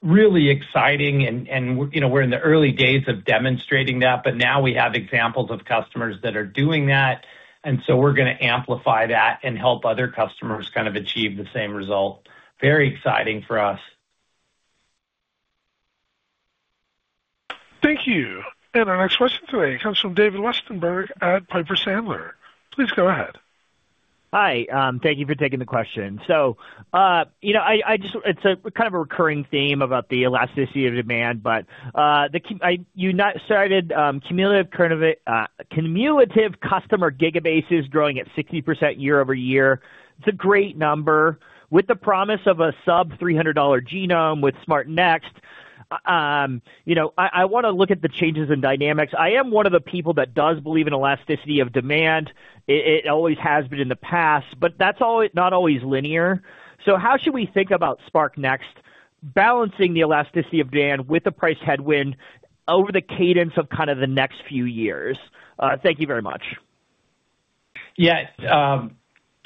really exciting, and you know, we're in the early days of demonstrating that, but now we have examples of customers that are doing that, and so we're gonna amplify that and help other customers kind of achieve the same result. Very exciting for us. Thank you, and our next question today comes from David Westenberg at Piper Sandler. Please go ahead. Hi, thank you for taking the question. So, you know, I just—it's a kind of a recurring theme about the elasticity of demand, but you just started cumulative customer gigabases growing at 60% year-over-year. It's a great number with the promise of a sub-$300 genome with SparkNex. You know, I wanna look at the changes in dynamics. I am one of the people that does believe in elasticity of demand. It always has been in the past, but that's not always linear. So how should we think about SparkNex, balancing the elasticity of demand with the price headwind over the cadence of kind of the next few years? Thank you very much. Yes,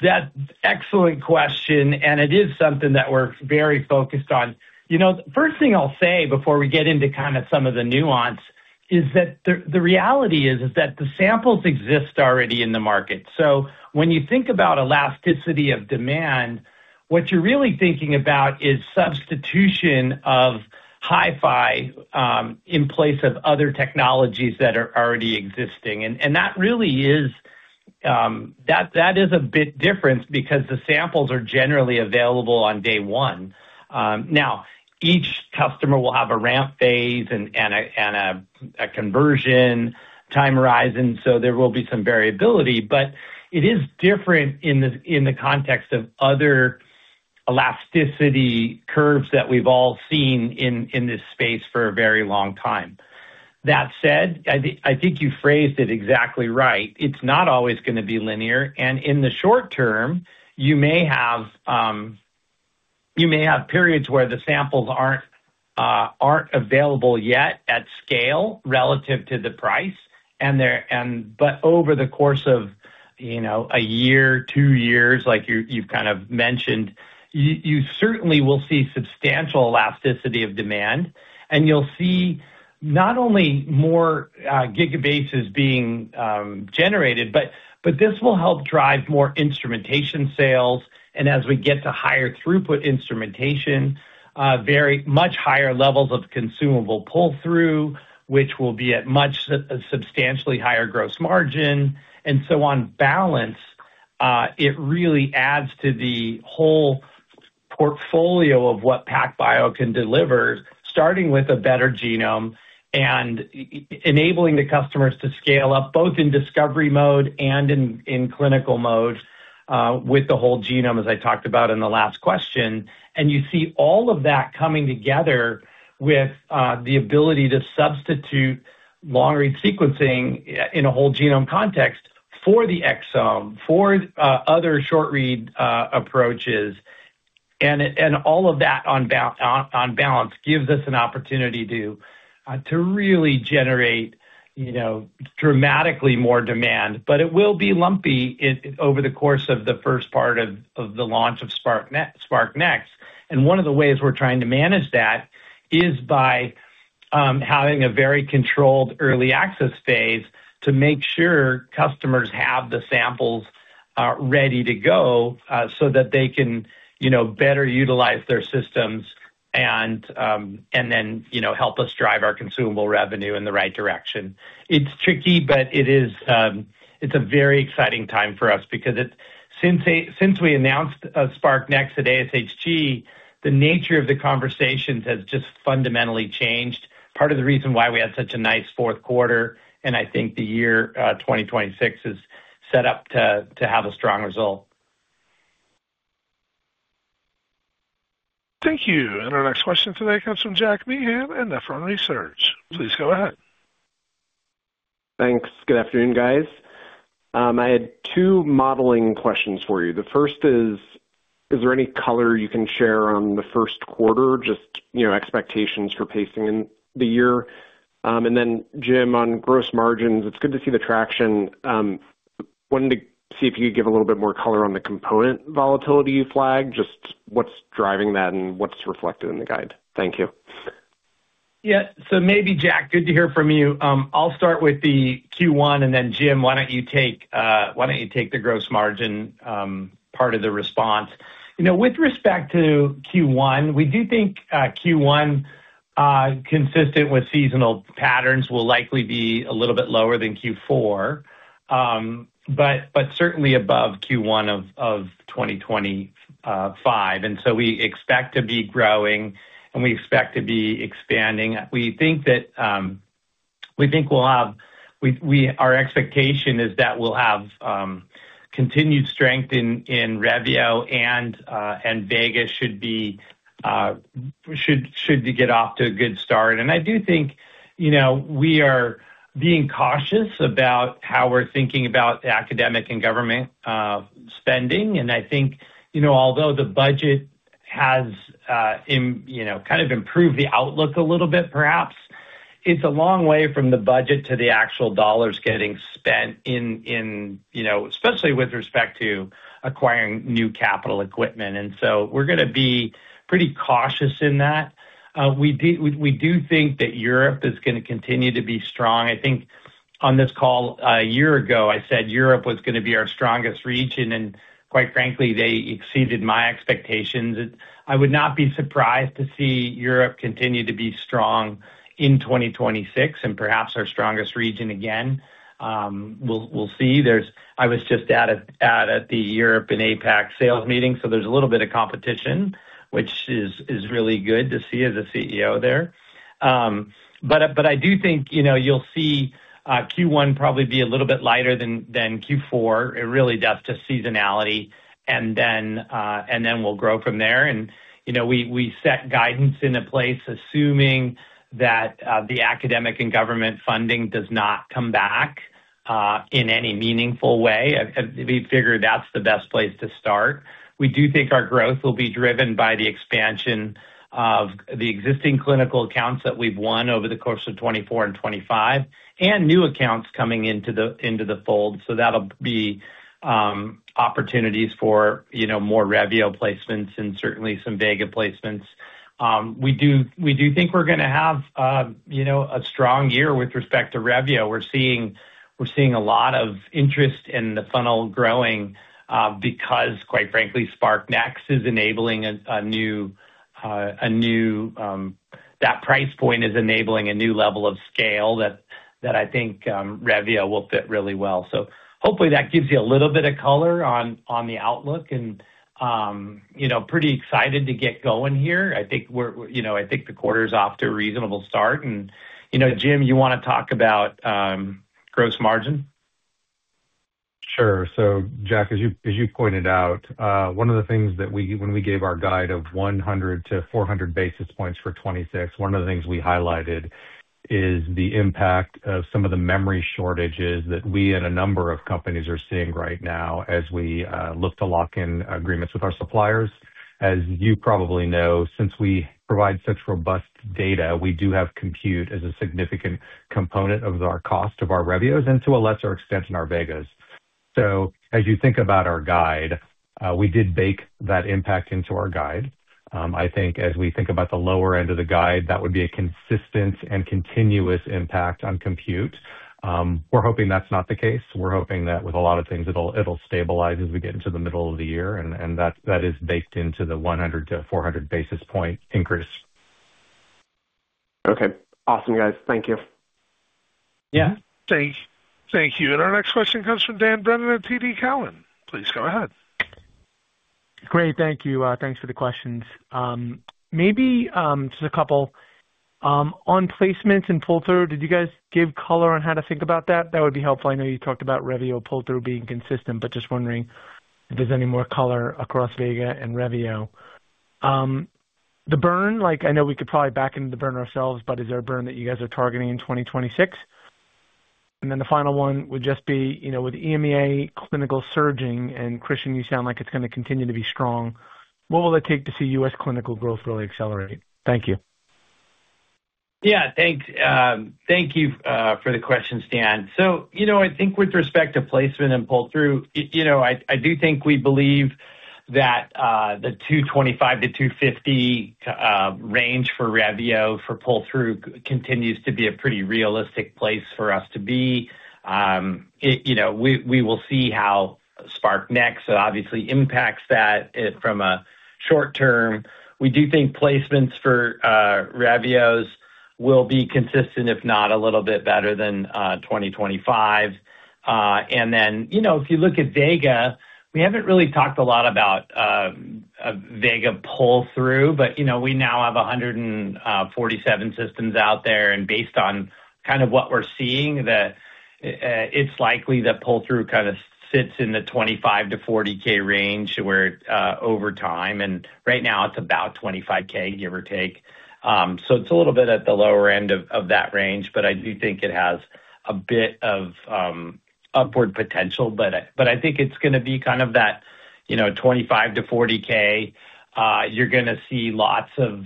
that's excellent question, and it is something that we're very focused on. You know, first thing I'll say before we get into kind of some of the nuance is that the reality is that the samples exist already in the market. So when you think about elasticity of demand, what you're really thinking about is substitution of HiFi in place of other technologies that are already existing, and that really is that is a bit different because the samples are generally available on day one. Now, each customer will have a ramp phase and a conversion time horizon, so there will be some variability, but it is different in the context of other elasticity curves that we've all seen in this space for a very long time. That said, I think you phrased it exactly right. It's not always gonna be linear, and in the short term, you may have periods where the samples aren't available yet at scale relative to the price, and but over the course of, you know, a year, two years, like you've kind of mentioned, you certainly will see substantial elasticity of demand, and you'll see not only more gigabases being generated, but this will help drive more instrumentation sales, and as we get to higher throughput instrumentation, very much higher levels of consumable pull-through, which will be at much substantially higher gross margin, and so on balance, it really adds to the whole portfolio of what PacBio can deliver, starting with a better genome and enabling the customers to scale up, both in discovery mode and in clinical mode, with the whole genome, as I talked about in the last question. And you see all of that coming together with the ability to substitute long-read sequencing in a whole genome context for the exome, for other short-read approaches, and all of that, on balance, gives us an opportunity to really generate, you know, dramatically more demand. But it will be lumpy over the course of the first part of the launch of SparkNex, and one of the ways we're trying to manage that is by having a very controlled early access phase to make sure customers have the samples ready to go so that they can, you know, better utilize their systems and then, you know, help us drive our consumable revenue in the right direction. It's tricky, but it is, it's a very exciting time for us because it's since we announced SparkNext at ASHG, the nature of the conversations has just fundamentally changed. Part of the reason why we had such a nice fourth quarter, and I think the year 2026 is set up to have a strong result. Thank you, and our next question today comes from Jack Meehan at Jefferies Research. Please go ahead. Thanks. Good afternoon, guys. I had two modeling questions for you. The first is, is there any color you can share on the first quarter, just, you know, expectations for pacing in the year? And then, Jim, on gross margins, it's good to see the traction. Wanted to see if you could give a little bit more color on the component volatility flag, just what's driving that and what's reflected in the guide? Thank you. Yeah, so maybe Jack, good to hear from you. I'll start with the Q1, and then Jim, why don't you take, why don't you take the gross margin, part of the response? You know, with respect to Q1, we do think, Q1, consistent with seasonal patterns, will likely be a little bit lower than Q4, but, but certainly above Q1 of, of 2025, and so we expect to be growing, and we expect to be expanding. We think that, we think we'll have... our expectation is that we'll have, continued strength in, in Revio and, and Vega should be, should, should get off to a good start. I do think, you know, we are being cautious about how we're thinking about academic and government spending, and I think, you know, although the budget has, you know, kind of improved the outlook a little bit, perhaps. It's a long way from the budget to the actual dollars getting spent in, you know, especially with respect to acquiring new capital equipment, and so we're gonna be pretty cautious in that. We do think that Europe is gonna continue to be strong. I think on this call a year ago, I said Europe was gonna be our strongest region, and quite frankly, they exceeded my expectations. I would not be surprised to see Europe continue to be strong in 2026 and perhaps our strongest region again. We'll see. I was just out at the Europe and APAC sales meeting, so there's a little bit of competition, which is really good to see as a CEO there. But I do think, you know, you'll see Q1 probably be a little bit lighter than Q4. It really does to seasonality, and then we'll grow from there. And, you know, we set guidance into place, assuming that the academic and government funding does not come back in any meaningful way. We figure that's the best place to start. We do think our growth will be driven by the expansion of the existing clinical accounts that we've won over the course of 2024 and 2025, and new accounts coming into the fold. So that'll be opportunities for, you know, more Revio placements and certainly some Vega placements. We do, we do think we're gonna have, you know, a strong year with respect to Revio. We're seeing, we're seeing a lot of interest in the funnel growing, because, quite frankly, SparkNex is enabling a, a new, a new. That price point is enabling a new level of scale that, that I think, Revio will fit really well. So hopefully that gives you a little bit of color on, on the outlook and, you know, pretty excited to get going here. I think we're, you know, I think the quarter is off to a reasonable start. And, you know, Jim, you wanna talk about, gross margin? Sure. So, Jack, as you pointed out, one of the things that when we gave our guide of 100-400 basis points for 2026, one of the things we highlighted is the impact of some of the memory shortages that we and a number of companies are seeing right now as we look to lock in agreements with our suppliers. As you probably know, since we provide such robust data, we do have compute as a significant component of our cost, of our Revios, and to a lesser extent, in our Vegas. So as you think about our guide, we did bake that impact into our guide. I think as we think about the lower end of the guide, that would be a consistent and continuous impact on compute. We're hoping that's not the case. We're hoping that with a lot of things, it'll stabilize as we get into the middle of the year, and that is baked into the 100-400 basis point increase. Okay. Awesome, guys. Thank you. Yeah. Thank you. Our next question comes from Dan Brennan at TD Cowen. Please go ahead. Great. Thank you. Thanks for the questions. Maybe, just a couple. On placements and pull-through, did you guys give color on how to think about that? That would be helpful. I know you talked about Revio pull-through being consistent, but just wondering if there's any more color across Vega and Revio. The burn, like I know we could probably back into the burn ourselves, but is there a burn that you guys are targeting in 2026? And then the final one would just be, you know, with EMEA clinical surging, and Christian, you sound like it's gonna continue to be strong, what will it take to see US clinical growth really accelerate? Thank you. Yeah, thanks. Thank you for the question, Dan. So, you know, I think with respect to placement and pull-through, you know, I do think we believe that the 225-250 range for Revio for pull-through continues to be a pretty realistic place for us to be. You know, we will see how SparkNext obviously impacts that from a short term. We do think placements for Revios will be consistent, if not a little bit better than 2025. And then, you know, if you look at Vega, we haven't really talked a lot about a Vega pull-through, but, you know, we now have 147 systems out there, and based on kind of what we're seeing, that it's likely that pull-through kind of sits in the $25K-$40K range, where over time, and right now it's about $25K, give or take. So it's a little bit at the lower end of that range, but I do think it has a bit of upward potential. But I think it's gonna be kind of that, you know, $25K-$40K. You're gonna see lots of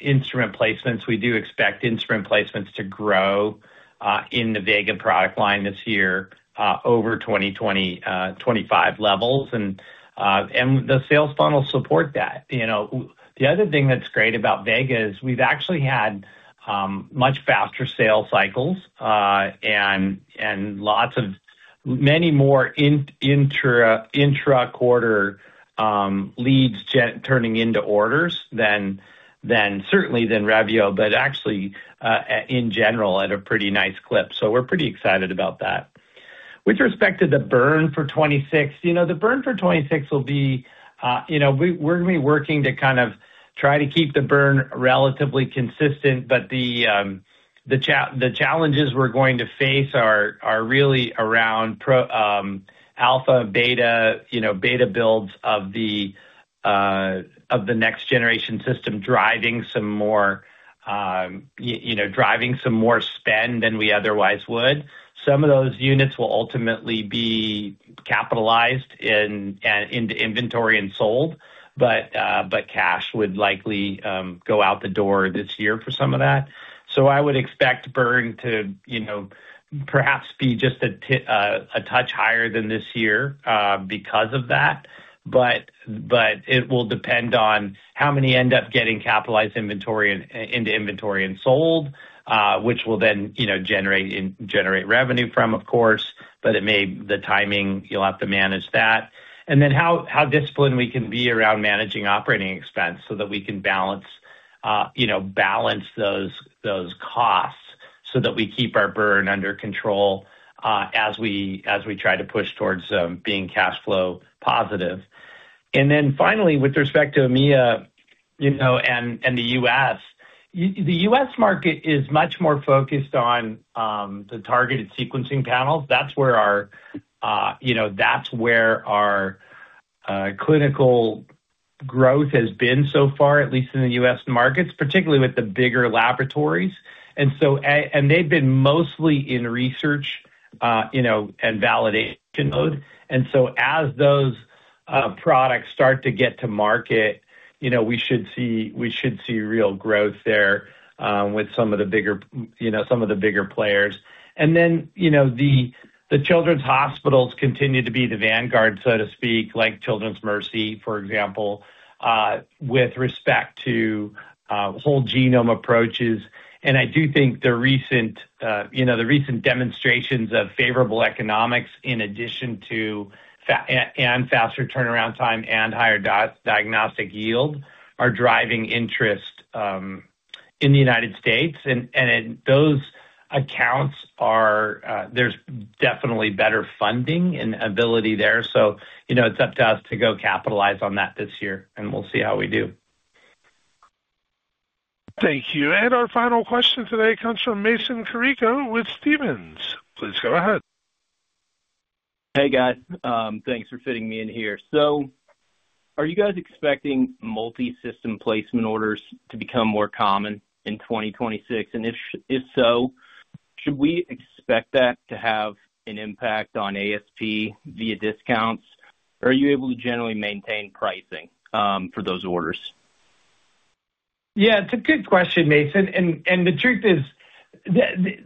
instrument placements. We do expect instrument placements to grow in the Vega product line this year over 2025 levels, and the sales funnel support that. You know, the other thing that's great about Vega is we've actually had much faster sales cycles, and many more intra-quarter leads turning into orders than certainly than Revio, but actually in general, at a pretty nice clip. So we're pretty excited about that. With respect to the burn for 2026, you know, the burn for 2026 will be, you know, we're gonna be working to kind of try to keep the burn relatively consistent, but the challenges we're going to face are really around alpha, beta, you know, beta builds of the next generation system, driving some more, you know, driving some more spend than we otherwise would. Some of those units will ultimately be capitalized into inventory and sold, but cash would likely go out the door this year for some of that. So I would expect burn to, you know, perhaps be just a touch higher than this year because of that. But it will depend on how many end up getting capitalized inventory into inventory and sold, which will then, you know, generate revenue from, of course, but it may, the timing, you'll have to manage that. And then how disciplined we can be around managing operating expense so that we can balance, you know, balance those costs, so that we keep our burn under control, as we try to push towards being cash flow positive. And then finally, with respect to EMEA, you know, and the U.S., the U.S. market is much more focused on the targeted sequencing panels. That's where our, you know, that's where our clinical growth has been so far, at least in the U.S. markets, particularly with the bigger laboratories. And so, and they've been mostly in research, you know, and validation mode. And so as those products start to get to market, you know, we should see, we should see real growth there with some of the bigger, you know, some of the bigger players. And then, you know, the children's hospitals continue to be the vanguard, so to speak, like Children's Mercy, for example, with respect to whole genome approaches. And I do think the recent, you know, the recent demonstrations of favorable economics, in addition to and faster turnaround time and higher diagnostic yield, are driving interest in the United States. And those accounts are, there's definitely better funding and ability there, so, you know, it's up to us to go capitalize on that this year, and we'll see how we do. Thank you. Our final question today comes from Mason Carrico with Stephens. Please go ahead. Hey, guys. Thanks for fitting me in here. So are you guys expecting multisystem placement orders to become more common in 2026? And if so, should we expect that to have an impact on ASP via discounts, or are you able to generally maintain pricing for those orders? Yeah, it's a good question, Mason, and the truth is,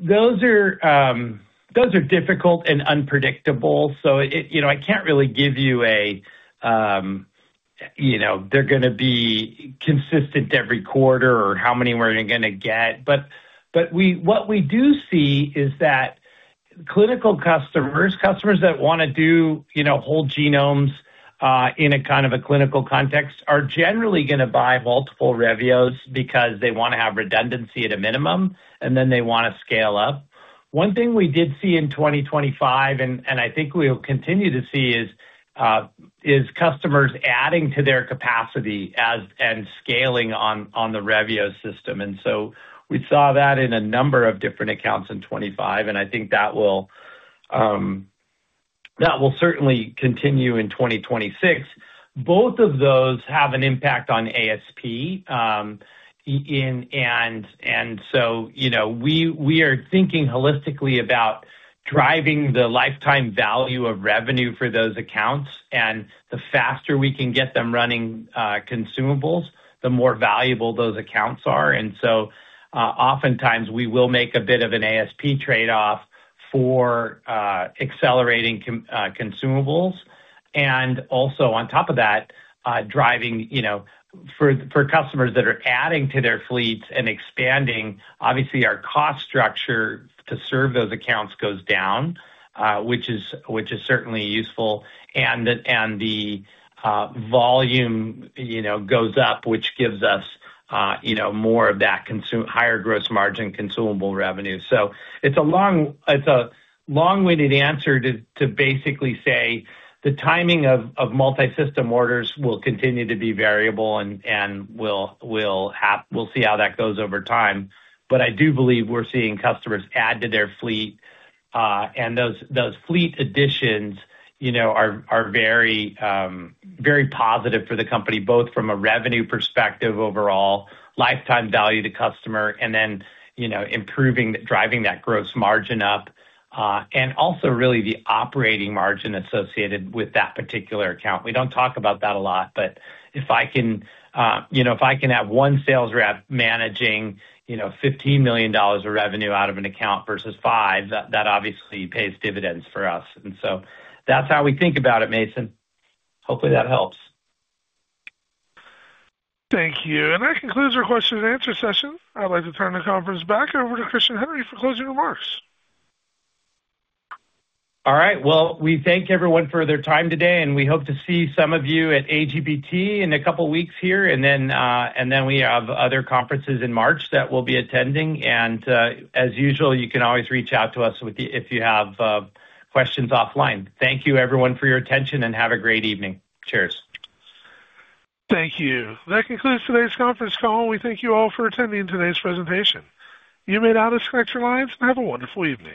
those are difficult and unpredictable, so it. You know, I can't really give you a, you know, they're gonna be consistent every quarter or how many we're gonna get. But what we do see is that clinical customers, customers that wanna do, you know, whole genomes, in a kind of a clinical context, are generally gonna buy multiple Revios because they wanna have redundancy at a minimum, and then they wanna scale up. One thing we did see in 2025, and I think we'll continue to see, is customers adding to their capacity and scaling on the Revio system. And so we saw that in a number of different accounts in 25, and I think that will certainly continue in 2026. Both of those have an impact on ASP, and so, you know, we are thinking holistically about driving the lifetime value of revenue for those accounts, and the faster we can get them running consumables, the more valuable those accounts are. And so, oftentimes we will make a bit of an ASP trade-off for accelerating consumables. And also, on top of that, driving, you know, for, for customers that are adding to their fleets and expanding, obviously, our cost structure to serve those accounts goes down, which is, which is certainly useful, and the, and the, volume, you know, goes up, which gives us, you know, more of that higher gross margin consumable revenue. So it's a long, it's a long-winded answer to, to basically say the timing of, of multisystem orders will continue to be variable, and, and we'll, we'll see how that goes over time. But I do believe we're seeing customers add to their fleet, and those fleet additions, you know, are very, very positive for the company, both from a revenue perspective, overall, lifetime value to customer, and then, you know, improving, driving that gross margin up, and also really the operating margin associated with that particular account. We don't talk about that a lot, but if I can, you know, if I can have one sales rep managing, you know, $15 million of revenue out of an account versus $5 million, that obviously pays dividends for us. And so that's how we think about it, Mason. Hopefully, that helps. Thank you. That concludes our question and answer session. I'd like to turn the conference back over to Christian Henry for closing remarks. All right. Well, we thank everyone for their time today, and we hope to see some of you at AGBT in a couple of weeks here, and then, and then we have other conferences in March that we'll be attending. As usual, you can always reach out to us with... if you have, questions offline. Thank you, everyone, for your attention, and have a great evening. Cheers. Thank you. That concludes today's conference call, and we thank you all for attending today's presentation. You may now disconnect your lines, and have a wonderful evening.